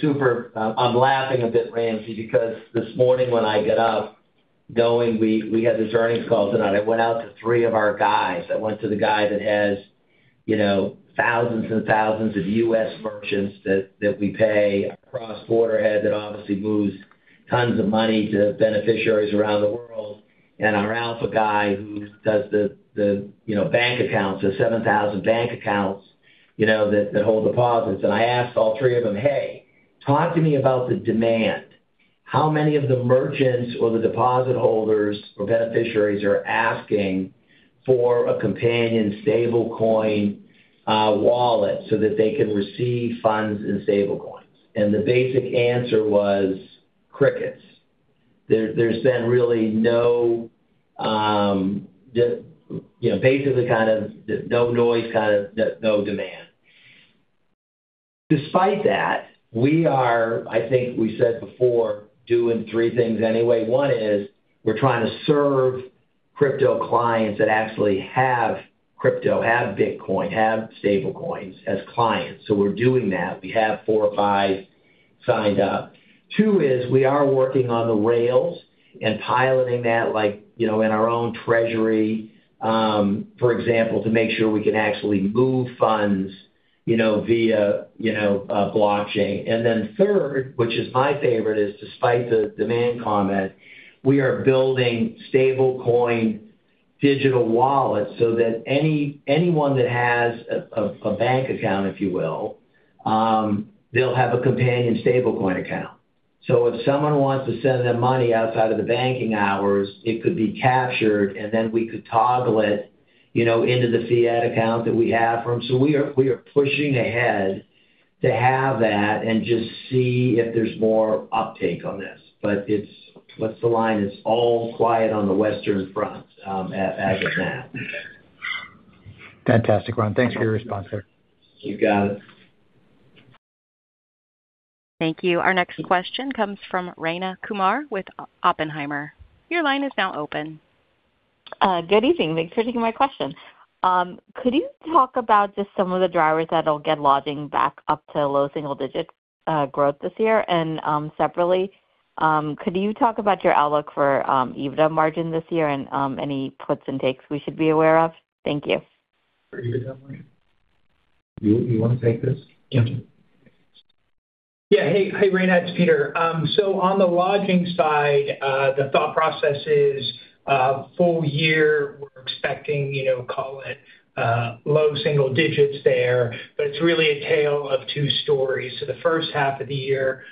super. I'm laughing a bit, Ramsey, because this morning when I got up going we had this earnings call tonight. I went out to three of our guys. I went to the guy that has thousands and thousands of U.S. merchants that we pay cross-border that obviously moves tons of money to beneficiaries around the world and our Alpha guy who does the bank accounts, the 7,000 bank accounts that hold deposits. And I asked all three of them, "Hey, talk to me about the demand. How many of the merchants or the deposit holders or beneficiaries are asking for a companion stablecoin wallet so that they can receive funds in stablecoins?" And the basic answer was crickets. There's been really no basically kind of no noise, kind of no demand. Despite that, we are, I think we said before, doing three things anyway. 1 is we're trying to serve crypto clients that actually have crypto, have Bitcoin, have stablecoins as clients. So we're doing that. We have 4 or 5 signed up. 2 is we are working on the rails and piloting that in our own treasury, for example, to make sure we can actually move funds via blockchain. And then third, which is my favorite, is despite the demand comment, we are building stablecoin digital wallets so that anyone that has a bank account, if you will, they'll have a companion stablecoin account. So if someone wants to send them money outside of the banking hours, it could be captured, and then we could toggle it into the fiat account that we have for them. So we are pushing ahead to have that and just see if there's more uptake on this. But what's the line? It's all quiet on the Western Front as of now. Fantastic, Ron. Thanks for your response there. You got it. Thank you. Our next question comes from Rayna Kumar with Oppenheimer. Your line is now open. Good evening. Thanks for taking my question. Could you talk about just some of the drivers that'll get lodging back up to low single-digit growth this year? And separately, could you talk about your outlook for EBITDA margin this year and any puts and takes we should be aware of? Thank you. For EBITDA margin? You want to take this? Yeah. Hey, Rayna. It's Peter. So on the lodging side, the thought process is full year, we're expecting, call it, low single digits there. But it's really a tale of two stories. So the first half of the year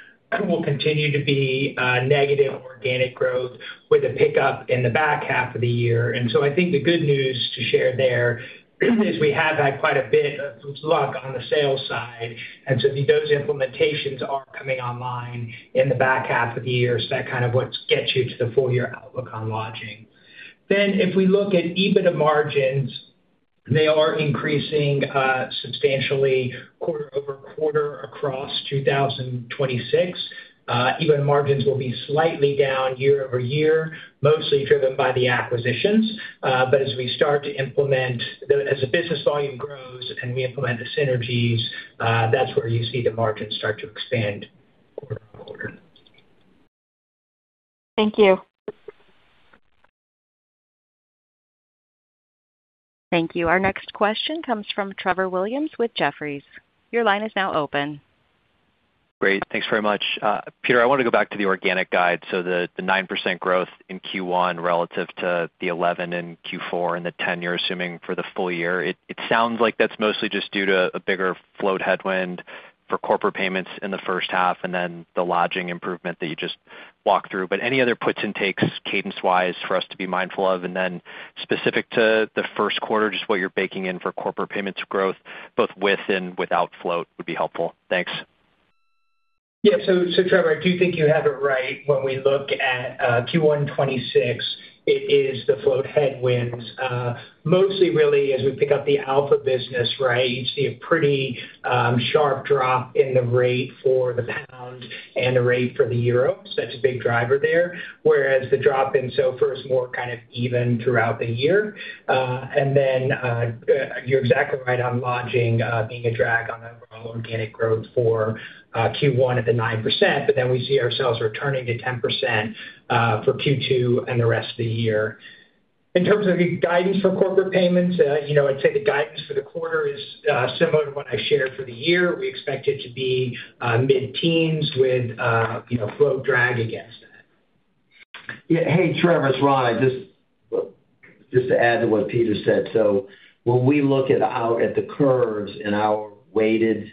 will continue to be negative organic growth with a pickup in the back half of the year. And so I think the good news to share there is we have had quite a bit of luck on the sales side. And so those implementations are coming online in the back half of the year. So that's kind of what gets you to the full-year outlook on lodging. Then if we look at EBITDA margins, they are increasing substantially quarter-over-quarter across 2026. EBITDA margins will be slightly down year-over-year, mostly driven by the acquisitions. But as we start to implement, as the business volume grows and we implement the synergies, that's where you see the margins start to expand quarter-on-quarter. Thank you. Thank you. Our next question comes from Trevor Williams with Jefferies. Your line is now open. Great. Thanks very much. Peter, I wanted to go back to the organic guide. So the 9% growth in Q1 relative to the 11% in Q4 and the 10%, you're assuming, for the full year, it sounds like that's mostly just due to a bigger float headwind for corporate payments in the first half and then the lodging improvement that you just walked through. But any other puts and takes cadence-wise for us to be mindful of? And then specific to the first quarter, just what you're baking in for corporate payments growth, both with and without float, would be helpful. Thanks. Yeah. So Trevor, I do think you have it right. When we look at Q1 2026, it is the float headwinds. Mostly, really, as we pick up the Alpha business, right, you see a pretty sharp drop in the rate for the pound and the rate for the euro. So that's a big driver there. Whereas the drop in SOFR is more kind of even throughout the year. And then you're exactly right on lodging being a drag on overall organic growth for Q1 at the 9%. But then we see ourselves returning to 10% for Q2 and the rest of the year. In terms of the guidance for corporate payments, I'd say the guidance for the quarter is similar to what I shared for the year. We expect it to be mid-teens with float drag against that. Yeah. Hey, Trevor. It's Ron. Just to add to what Peter said. So when we look out at the curves in our weighted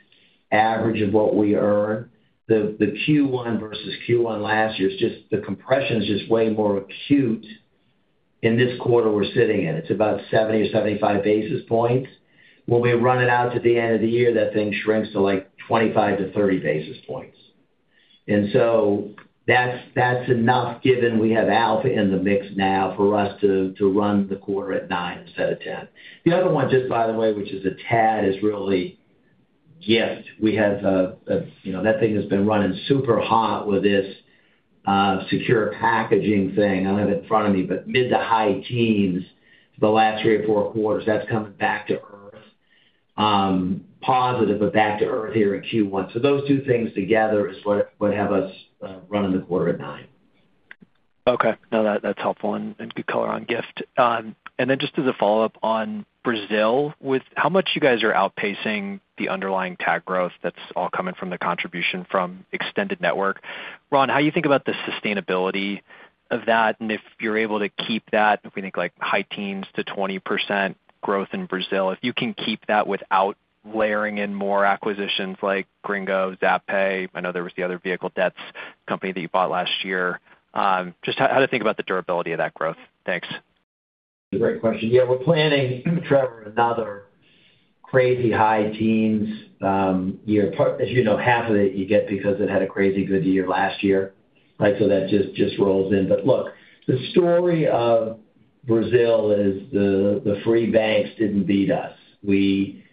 average of what we earn, the Q1 versus Q1 last year, the compression is just way more acute in this quarter we're sitting in. It's about 70 or 75 basis points. When we run it out to the end of the year, that thing shrinks to 25-30 basis points. And so that's enough given we have Alpha in the mix now for us to run the quarter at nine instead of 10. The other one, just by the way, which is a tad, is really gift. We have that thing that's been running super hot with this secure packaging thing. I don't have it in front of me, but mid- to high teens for the last three or four quarters. That's coming back to earth, positive, but back to earth here in Q1. So those two things together is what have us run in the quarter at nine. Okay. No, that's helpful and good color on gift. And then just as a follow-up on Brazil, with how much you guys are outpacing the underlying tag growth that's all coming from the contribution from extended network, Ron, how do you think about the sustainability of that? And if you're able to keep that, if we think high teens to 20% growth in Brazil, if you can keep that without layering in more acquisitions like Gringo, Zapay, I know there was the other vehicle debts company that you bought last year, just how to think about the durability of that growth? Thanks. That's a great question. Yeah, we're planning, Trevor, another crazy high teens year. As you know, half of it you get because it had a crazy good year last year, right? So that just rolls in. But look, the story of Brazil is the free banks didn't beat us. We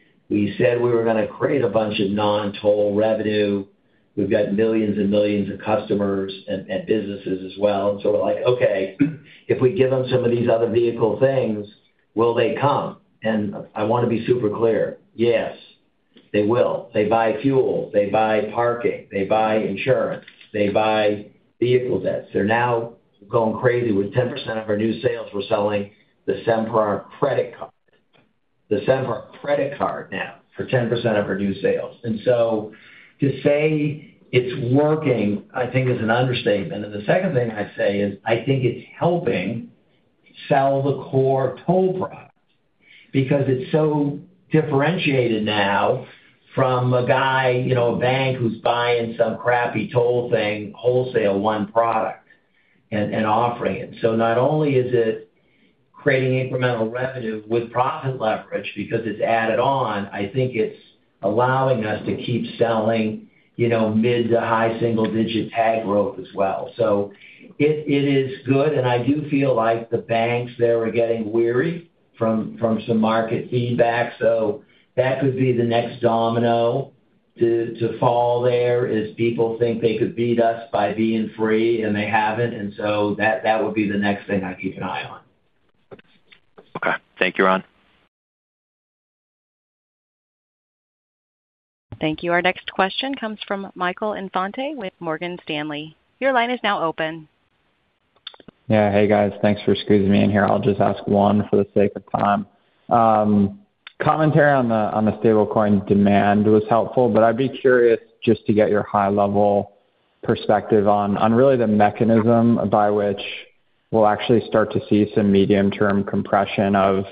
said we were going to create a bunch of non-toll revenue. We've got millions and millions of customers and businesses as well. And so we're like, "Okay. If we give them some of these other vehicle things, will they come?" And I want to be super clear. Yes, they will. They buy fuel. They buy parking. They buy insurance. They buy vehicle debts. They're now going crazy with 10% of our new sales, we're selling the Semper Credit Card now for 10% of our new sales. And so to say it's working, I think, is an understatement. And the second thing I'd say is I think it's helping sell the core toll product because it's so differentiated now from a guy, a bank, who's buying some crappy toll thing, wholesale one product, and offering it. So not only is it creating incremental revenue with profit leverage because it's added on, I think it's allowing us to keep selling mid- to high single-digit tag growth as well. So it is good. And I do feel like the banks there are getting wary from some market feedback. So that could be the next domino to fall there, people think they could beat us by being free, and they haven't. And so that would be the next thing I keep an eye on. Okay. Thank you, Ron. Thank you. Our next question comes from Michael Infante with Morgan Stanley. Your line is now open. Yeah. Hey, guys. Thanks for squeezing me in here. I'll just ask one for the sake of time. Commentary on the stablecoin demand was helpful, but I'd be curious just to get your high-level perspective on really the mechanism by which we'll actually start to see some medium-term compression of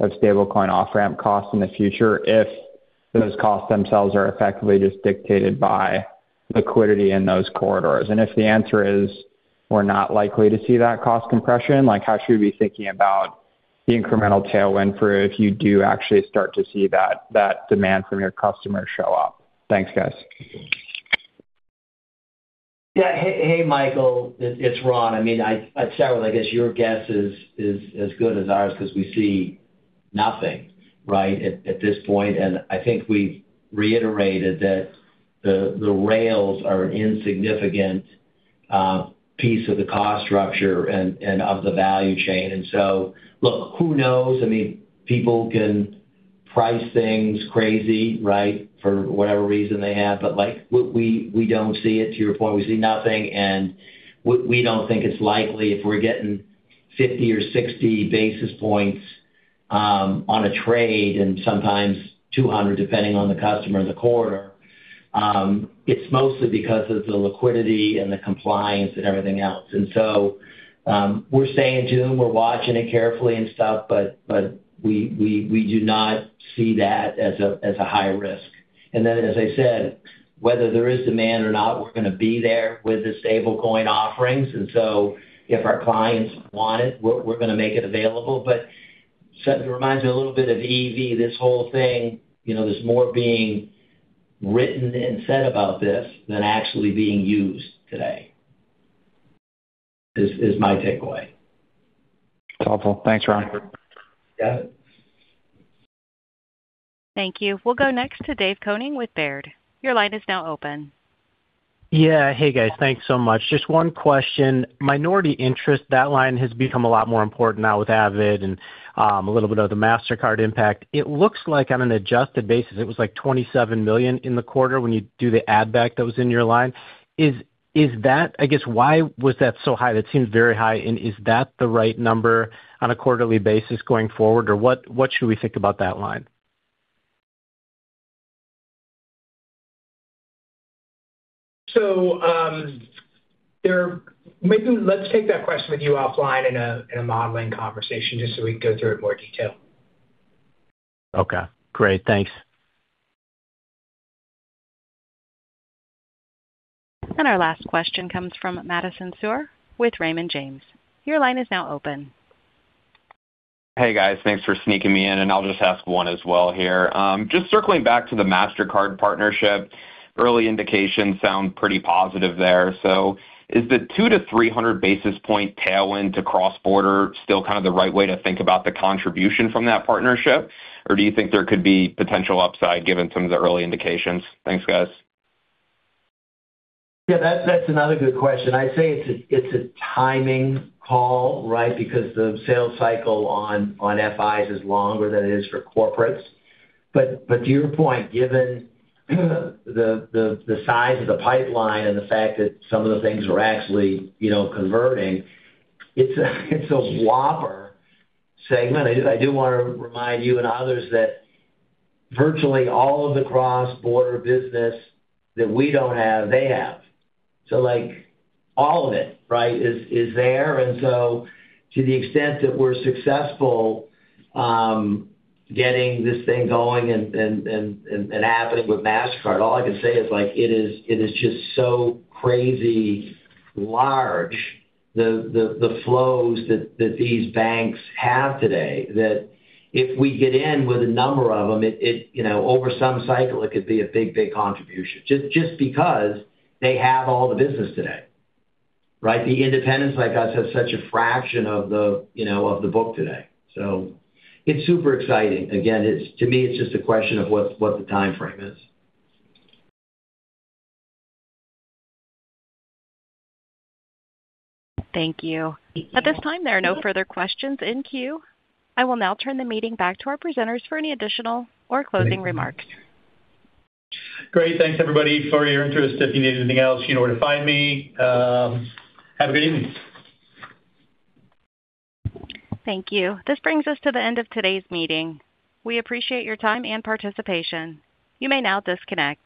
stablecoin off-ramp costs in the future if those costs themselves are effectively just dictated by liquidity in those corridors. And if the answer is we're not likely to see that cost compression, how should we be thinking about the incremental tailwind for if you do actually start to see that demand from your customers show up? Thanks, guys. Yeah. Hey, Michael. It's Ron. I mean, I'd start with, I guess, your guess is as good as ours because we see nothing, right, at this point. I think we've reiterated that the rails are an insignificant piece of the cost structure and of the value chain. So look, who knows? I mean, people can price things crazy, right, for whatever reason they have. But we don't see it, to your point. We see nothing. We don't think it's likely if we're getting 50 or 60 basis points on a trade and sometimes 200 depending on the customer in the quarter. It's mostly because of the liquidity and the compliance and everything else. So we're staying tuned. We're watching it carefully and stuff, but we do not see that as a high risk. And then, as I said, whether there is demand or not, we're going to be there with the stablecoin offerings. And so if our clients want it, we're going to make it available. But it reminds me a little bit of EV, this whole thing. There's more being written and said about this than actually being used today is my takeaway. That's helpful. Thanks, Ron. Got it. Thank you. We'll go next to Dave Koning with Baird. Your line is now open. Yeah. Hey, guys. Thanks so much. Just one question. Minority interest, that line has become a lot more important now with Avid and a little bit of the Mastercard impact. It looks like on an adjusted basis, it was like $27 million in the quarter when you do the add-back that was in your line. I guess, why was that so high? That seems very high. And is that the right number on a quarterly basis going forward, or what should we think about that line? Maybe let's take that question with you offline in a modeling conversation just so we can go through it in more detail. Okay. Great. Thanks. Our last question comes from Madison Suhr with Raymond James. Your line is now open. Hey, guys. Thanks for sneaking me in. I'll just ask one as well here. Just circling back to the Mastercard partnership, early indications sound pretty positive there. So is the 2-300 basis point tailwind to Cross-Border still kind of the right way to think about the contribution from that partnership, or do you think there could be potential upside given some of the early indications? Thanks, guys. Yeah. That's another good question. I'd say it's a timing call, right, because the sales cycle on FIs is longer than it is for corporates. But to your point, given the size of the pipeline and the fact that some of the things are actually converting, it's a whopper segment. I do want to remind you and others that virtually all of the Cross-Border business that we don't have, they have. So all of it, right, is there. And so to the extent that we're successful getting this thing going and happening with Mastercard, all I can say is it is just so crazy large, the flows that these banks have today, that if we get in with a number of them, over some cycle, it could be a big, big contribution just because they have all the business today, right? The independents like us have such a fraction of the book today. So it's super exciting. Again, to me, it's just a question of what the timeframe is. Thank you. At this time, there are no further questions in queue. I will now turn the meeting back to our presenters for any additional or closing remarks. Great. Thanks, everybody, for your interest. If you need anything else, you know where to find me. Have a good evening. Thank you. This brings us to the end of today's meeting. We appreciate your time and participation. You may now disconnect.